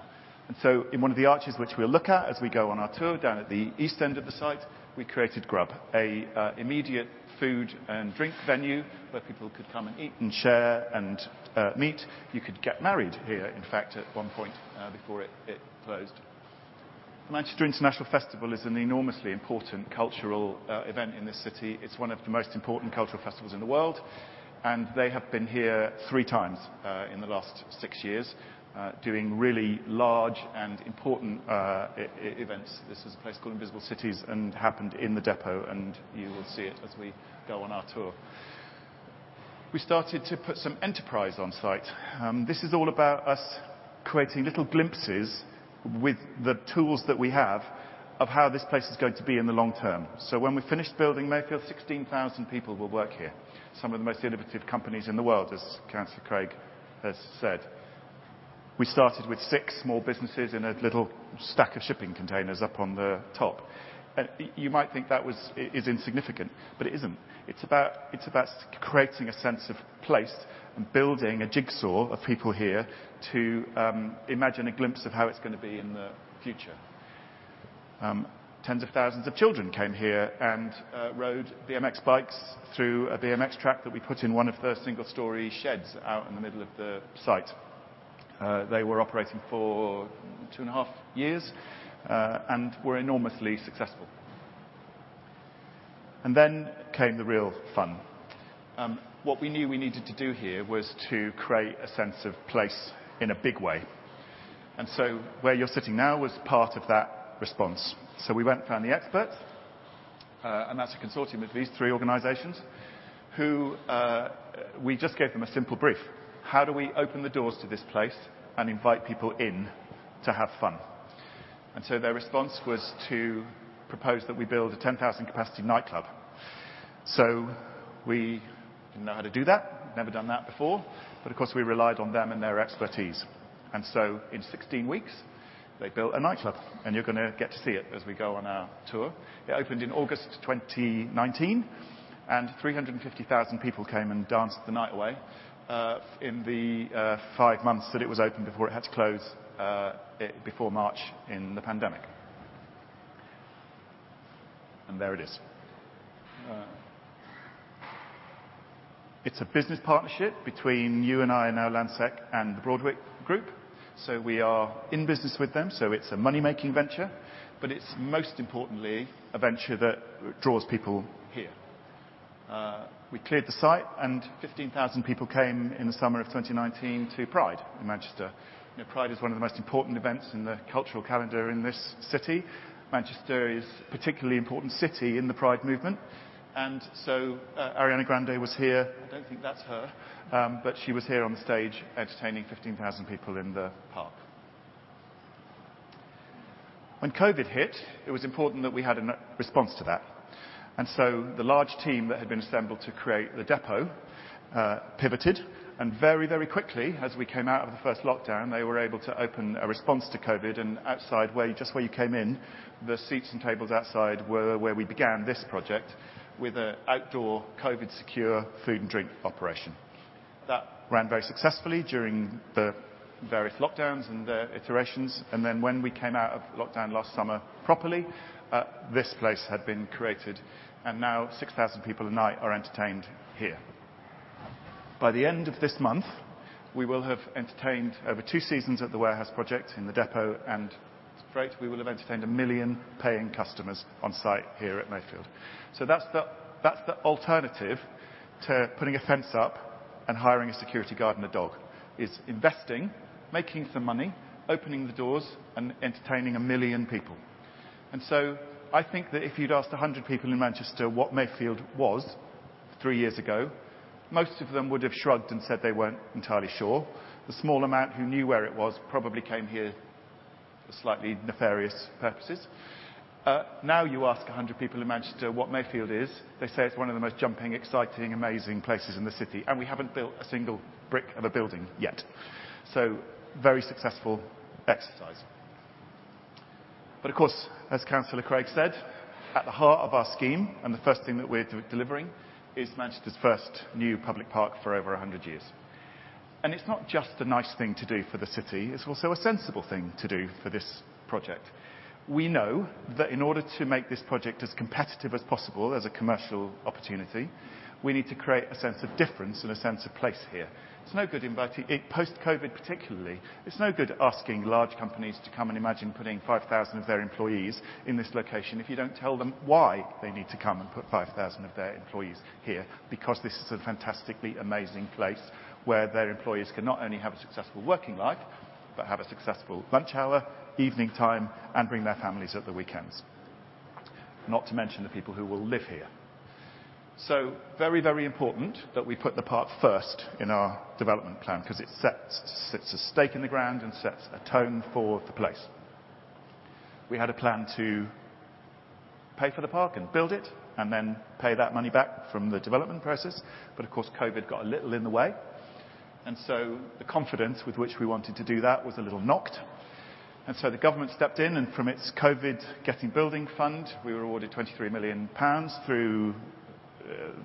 In one of the arches which we'll look at as we go on our tour, down at the east end of the site, we created GRUB, an immediate food and drink venue where people could come and eat and share and meet. You could get married here, in fact, at one point before it closed. Manchester International Festival is an enormously important cultural event in this city. It's one of the most important cultural festivals in the world, and they have been here three times in the last six years doing really large and important events. This is a place called Invisible Cities and happened in the Depot, and you will see it as we go on our tour. We started to put some enterprise on site. This is all about us creating little glimpses with the tools that we have of how this place is going to be in the long-term. When we finish building Mayfield, 16,000 people will work here, some of the most innovative companies in the world, as Councillor Craig has said. We started with six small businesses in a little stack of shipping containers up on the top. You might think that was insignificant, but it isn't. It's about creating a sense of place and building a jigsaw of people here to imagine a glimpse of how it's gonna be in the future. Tens of thousands of children came here and rode BMX bikes through a BMX track that we put in one of the single-story sheds out in the middle of the site. They were operating for two and a half years and were enormously successful. Then came the real fun. What we knew we needed to do here was to create a sense of place in a big way, and where you're sitting now was part of that response. We went and found the experts, and that's a consortium of these three organizations who we just gave them a simple brief. How do we open the doors to this place and invite people in to have fun? Their response was to propose that we build a 10,000-capacity nightclub. We didn't know how to do that, never done that before, but of course, we relied on them and their expertise. In 16 weeks, they built a nightclub, and you're gonna get to see it as we go on our tour. It opened in August 2019, and 350,000 people came and danced the night away in the five months that it was open before it had to close before March in the pandemic. There it is. It's a business partnership between U+I, now Landsec, and the Broadwick Group, so we are in business with them, so it's a money-making venture. It's most importantly a venture that draws people here. We cleared the site, and 15,000 people came in the summer of 2019 to Pride in Manchester. You know, Pride is one of the most important events in the cultural calendar in this city. Manchester is a particularly important city in the Pride movement, and so, Ariana Grande was here. I don't think that's her, but she was here on stage entertaining 15,000 people in the park. When COVID hit, it was important that we had a response to that. The large team that had been assembled to create the Depot pivoted, and very, very quickly as we came out of the first lockdown, they were able to open a response to COVID. Outside where, just where you came in, the seats and tables outside were where we began this project with an outdoor, COVID-secure food and drink operation. That ran very successfully during the various lockdowns and the iterations. When we came out of lockdown last summer properly, this place had been created, and now 6,000 people a night are entertained here. By the end of this month, we will have entertained over two seasons at The Warehouse Project in the Depot, and it's great, we will have entertained 1 million paying customers on site here at Mayfield. That's the alternative to putting a fence up and hiring a security guard and a dog, investing, making some money, opening the doors, and entertaining 1 million people. I think that if you'd asked 100 people in Manchester what Mayfield was three years ago, most of them would have shrugged and said they weren't entirely sure. The small amount who knew where it was probably came here for slightly nefarious purposes. Now you ask 100 people in Manchester what Mayfield is, they say it's one of the most jumping, exciting, amazing places in the city, and we haven't built a single brick of a building yet, so very successful exercise. Of course, as Councillor Craig said, at the heart of our scheme, and the first thing that we're delivering, is Manchester's first new public park for over 100 years. It's not just a nice thing to do for the city, it's also a sensible thing to do for this project. We know that in order to make this project as competitive as possible as a commercial opportunity, we need to create a sense of difference and a sense of place here. Post-COVID particularly, it's no good asking large companies to come and imagine putting 5,000 of their employees in this location if you don't tell them why they need to come and put 5,000 of their employees here, because this is a fantastically amazing place where their employees can not only have a successful working life, but have a successful lunch hour, evening time, and bring their families at the weekends. Not to mention the people who will live here. Very, very important that we put the park first in our development plan 'cause it sets a stake in the ground and sets a tone for the place. We had a plan to pay for the park and build it and then pay that money back from the development process. Of course, COVID got a little in the way, and so the confidence with which we wanted to do that was a little knocked. The government stepped in, and from its COVID Getting Building Fund, we were awarded 23 million pounds through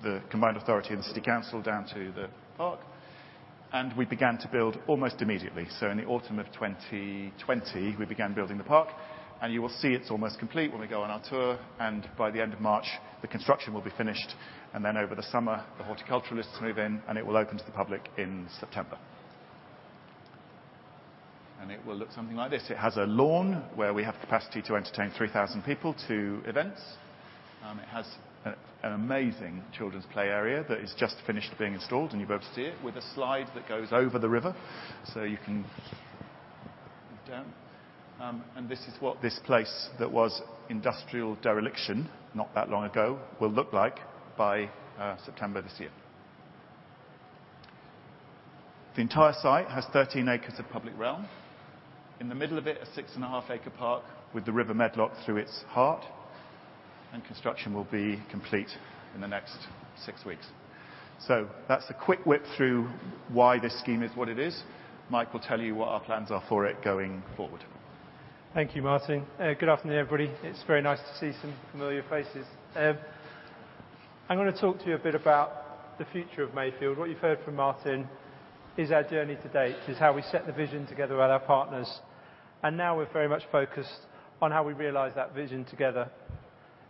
the combined authority of the city council down to the park, and we began to build almost immediately. In the autumn of 2020, we began building the park, and you will see it's almost complete when we go on our tour, and by the end of March, the construction will be finished, and then over the summer, the horticulturalists move in, and it will open to the public in September. It will look something like this. It has a lawn where we have capacity to entertain 3,000 people to events. It has an amazing children's play area that is just finished being installed, and you'll be able to see it, with a slide that goes over the river. This is what this place that was industrial dereliction not that long ago will look like by September this year. The entire site has 13 acres of public realm. In the middle of it, a 6.5-acre park with the River Medlock through its heart, and construction will be complete in the next six weeks. That's a quick whip through why this scheme is what it is. Mike will tell you what our plans are for it going forward. Thank you, Martyn. Good afternoon, everybody. It's very nice to see some familiar faces. I'm gonna talk to you a bit about the future of Mayfield. What you've heard from Martyn is our journey to date, is how we set the vision together with our partners. Now we're very much focused on how we realize that vision together.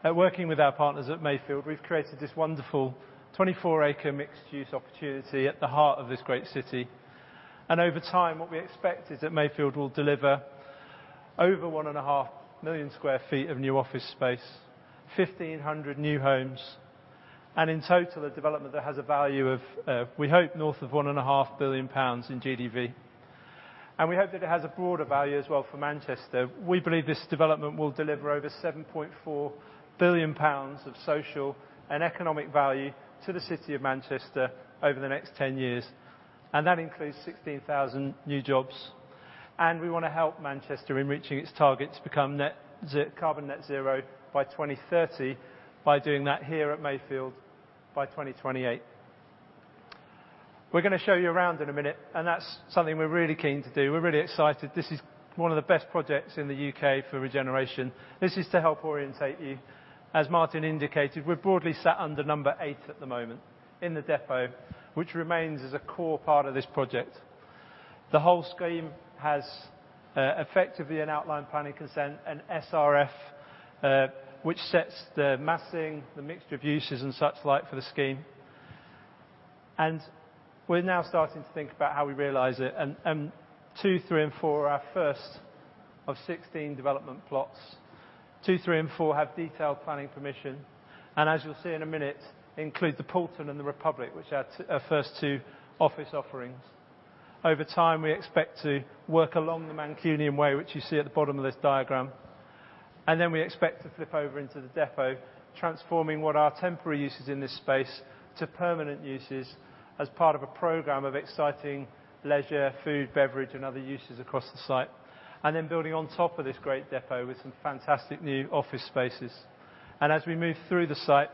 Working with our partners at Mayfield, we've created this wonderful 24-acre mixed-use opportunity at the heart of this great city. Over time, what we expect is that Mayfield will deliver over 1.5 million sq ft of new office space, 1,500 new homes, and in total, a development that has a value of, we hope, north of 1.5 billion pounds in GDV. We hope that it has a broader value as well for Manchester. We believe this development will deliver over 7.4 billion pounds of social and economic value to the city of Manchester over the next 10 years, and that includes 16,000 new jobs. We wanna help Manchester in reaching its target to become net zero carbon by 2030 by doing that here at Mayfield by 2028. We're gonna show you around in a minute, and that's something we're really keen to do. We're really excited. This is one of the best projects in the U.K. for regeneration. This is to help orient you. As Martyn indicated, we're broadly sat under number eight at the moment in the depot, which remains as a core part of this project. The whole scheme has effectively an outline planning consent and SRF, which sets the massing, the mixture of uses and such like for the scheme. We're now starting to think about how we realize it. two, three, and four are our first of 16 development plots. two, three, and four have detailed planning permission, and as you'll see in a minute, include the Poulton and the Republic, which are our first two office offerings. Over time, we expect to work along the Mancunian Way, which you see at the bottom of this diagram. We expect to flip over into the depot, transforming what are temporary uses in this space to permanent uses as part of a program of exciting leisure, food, beverage, and other uses across the site. Building on top of this great depot with some fantastic new office spaces. As we move through the site,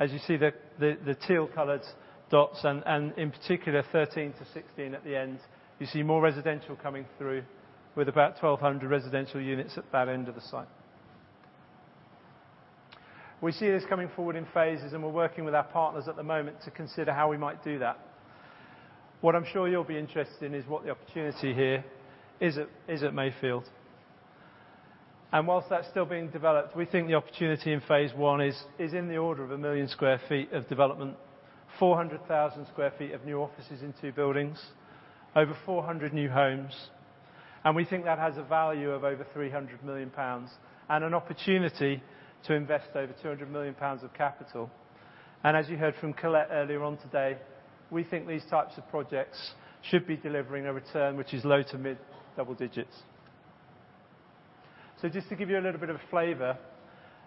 as you see the teal-colored dots, and in particular 13-16 at the end, you see more residential coming through with about 1,200 residential units at that end of the site. We see this coming forward in phases, and we're working with our partners at the moment to consider how we might do that. What I'm sure you'll be interested in is what the opportunity here is at Mayfield. While that's still being developed, we think the opportunity in phase one is in the order of 1 million sq ft of development, 400,000 sq ft of new offices in two buildings, over 400 new homes, and we think that has a value of over 300 million pounds and an opportunity to invest over 200 million pounds of capital. As you heard from Colette earlier on today, we think these types of projects should be delivering a return which is low to mid double digits. Just to give you a little bit of a flavor,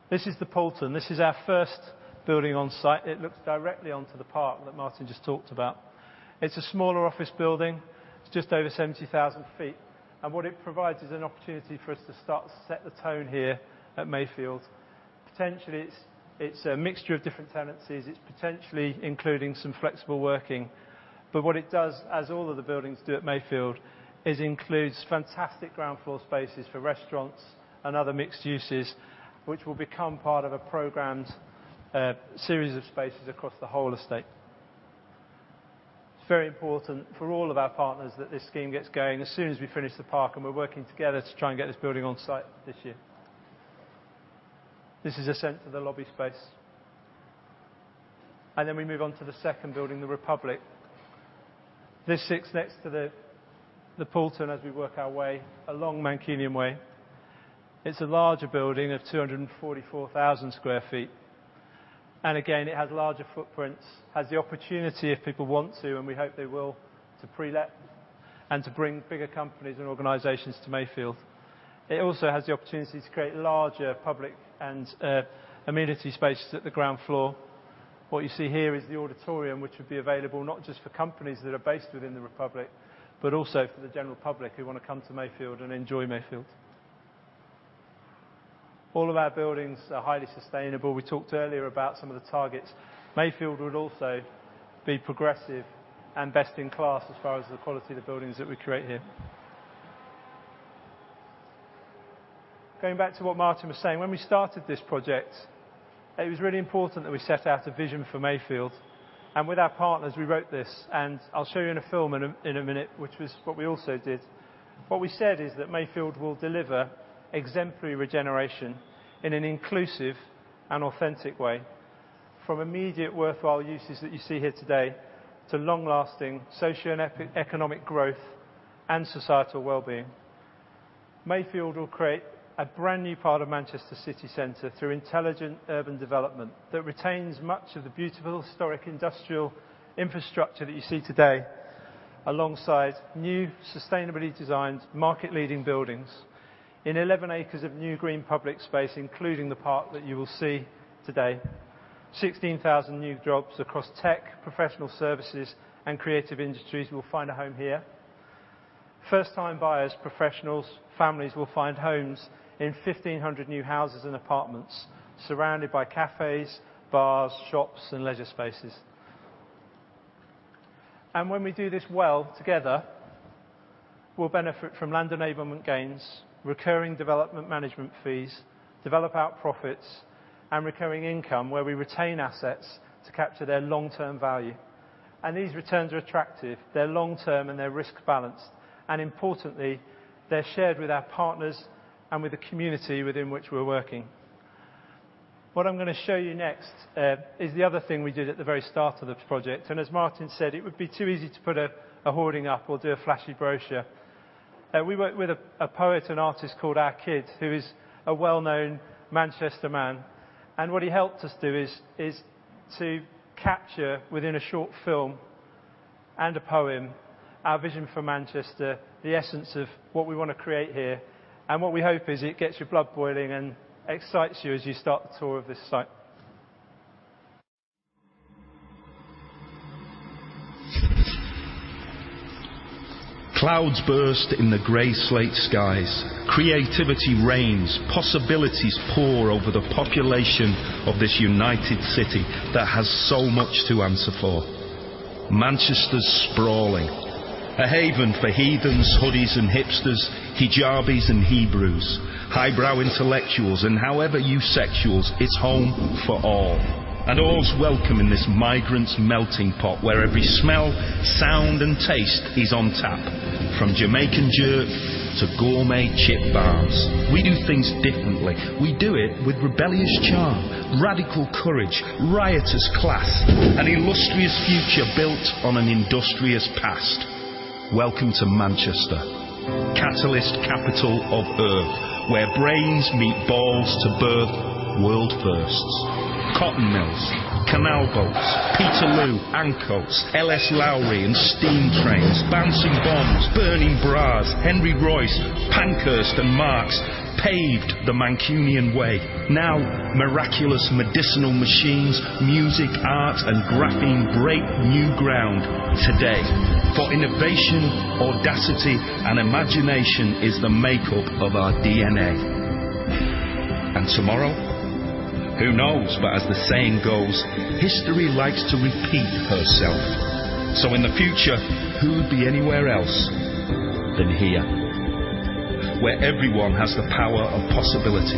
this is the Poulton. This is our first building on site. It looks directly onto the park that Martyn just talked about. It's a smaller office building. It's just over 70,000 sq ft. What it provides is an opportunity for us to start to set the tone here at Mayfield. Potentially, it's a mixture of different tenancies. It's potentially including some flexible working. What it does, as all of the buildings do at Mayfield, is includes fantastic ground floor spaces for restaurants and other mixed uses, which will become part of a programmed series of spaces across the whole estate. It's very important for all of our partners that this scheme gets going as soon as we finish the park, and we're working together to try and get this building on site this year. This is a sense of the lobby space. Then we move on to the second building, The Republic. This sits next to the Poulton as we work our way along Mancunian Way. It's a larger building of 244,000 sq ft. Again, it has larger footprints. Has the opportunity if people want to, and we hope they will, to pre-let and to bring bigger companies and organizations to Mayfield. It also has the opportunity to create larger public and amenity spaces at the ground floor. What you see here is the auditorium, which would be available not just for companies that are based within The Republic, but also for the general public who wanna come to Mayfield and enjoy Mayfield. All of our buildings are highly sustainable. We talked earlier about some of the targets. Mayfield would also be progressive and best in class as far as the quality of the buildings that we create here. Going back to what Martyn was saying, when we started this project, it was really important that we set out a vision for Mayfield and with our partners, we wrote this, and I'll show you in a film in a minute, which was what we also did. What we said is that Mayfield will deliver exemplary regeneration in an inclusive and authentic way from immediate worthwhile uses that you see here today to long-lasting socio and economic growth and societal wellbeing. Mayfield will create a brand new part of Manchester City Center through intelligent urban development that retains much of the beautiful historic industrial infrastructure that you see today alongside new sustainably designed market-leading buildings in 11 acres of new green public space, including the park that you will see today. 16,000 new jobs across tech, professional services, and creative industries will find a home here. First-time buyers, professionals, families will find homes in 1,500 new houses and apartments surrounded by cafes, bars, shops, and leisure spaces. When we do this well together, we'll benefit from land enablement gains, recurring development management fees, develop out profits, and recurring income where we retain assets to capture their long-term value. These returns are attractive, they're long-term, and they're risk balanced, and importantly, they're shared with our partners and with the community within which we're working. What I'm gonna show you next is the other thing we did at the very start of the project, and as Martyn said, it would be too easy to put a hoarding up or do a flashy brochure. We worked with a poet and artist called ARGH KiD who is a well-known Manchester man, and what he helped us do is to capture within a short film and a poem our vision for Manchester, the essence of what we wanna create here. What we hope is it gets your blood boiling and excites you as you start the tour of this site. Clouds burst in the gray slate skies. Creativity reigns. Possibilities pour over the population of this united city that has so much to answer for. Manchester's sprawling, a haven for heathens, hoodies and hipsters, hijabis and Hebrews, highbrow intellectuals and however you sexuals, it's home for all. All's welcome in this migrant's melting pot where every smell, sound, and taste is on tap. From Jamaican jerk to gourmet chip bars. We do things differently. We do it with rebellious charm, radical courage, riotous class, an illustrious future built on an industrious past. Welcome to Manchester, catalyst capital of earth, where brains meet balls to birth world firsts. Cotton mills, canal boats, Peterloo, Ancoats, L.S. Lowry and steam trains, bouncing bombs, burning bras, Henry Royce, Pankhurst and Marx paved the Mancunian way. Now, miraculous medicinal machines, music, art, and graphene break new ground today. For innovation, audacity, and imagination is the makeup of our DNA. Tomorrow, who knows? As the saying goes, history likes to repeat herself. In the future, who'd be anywhere else than here? Where everyone has the power of possibility,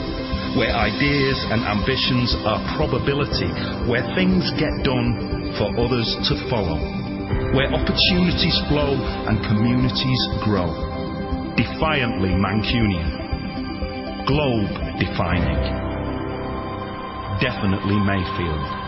where ideas and ambitions are probability, where things get done for others to follow. Where opportunities flow and communities grow. Defiantly Mancunian, globe defining, definitely Mayfield.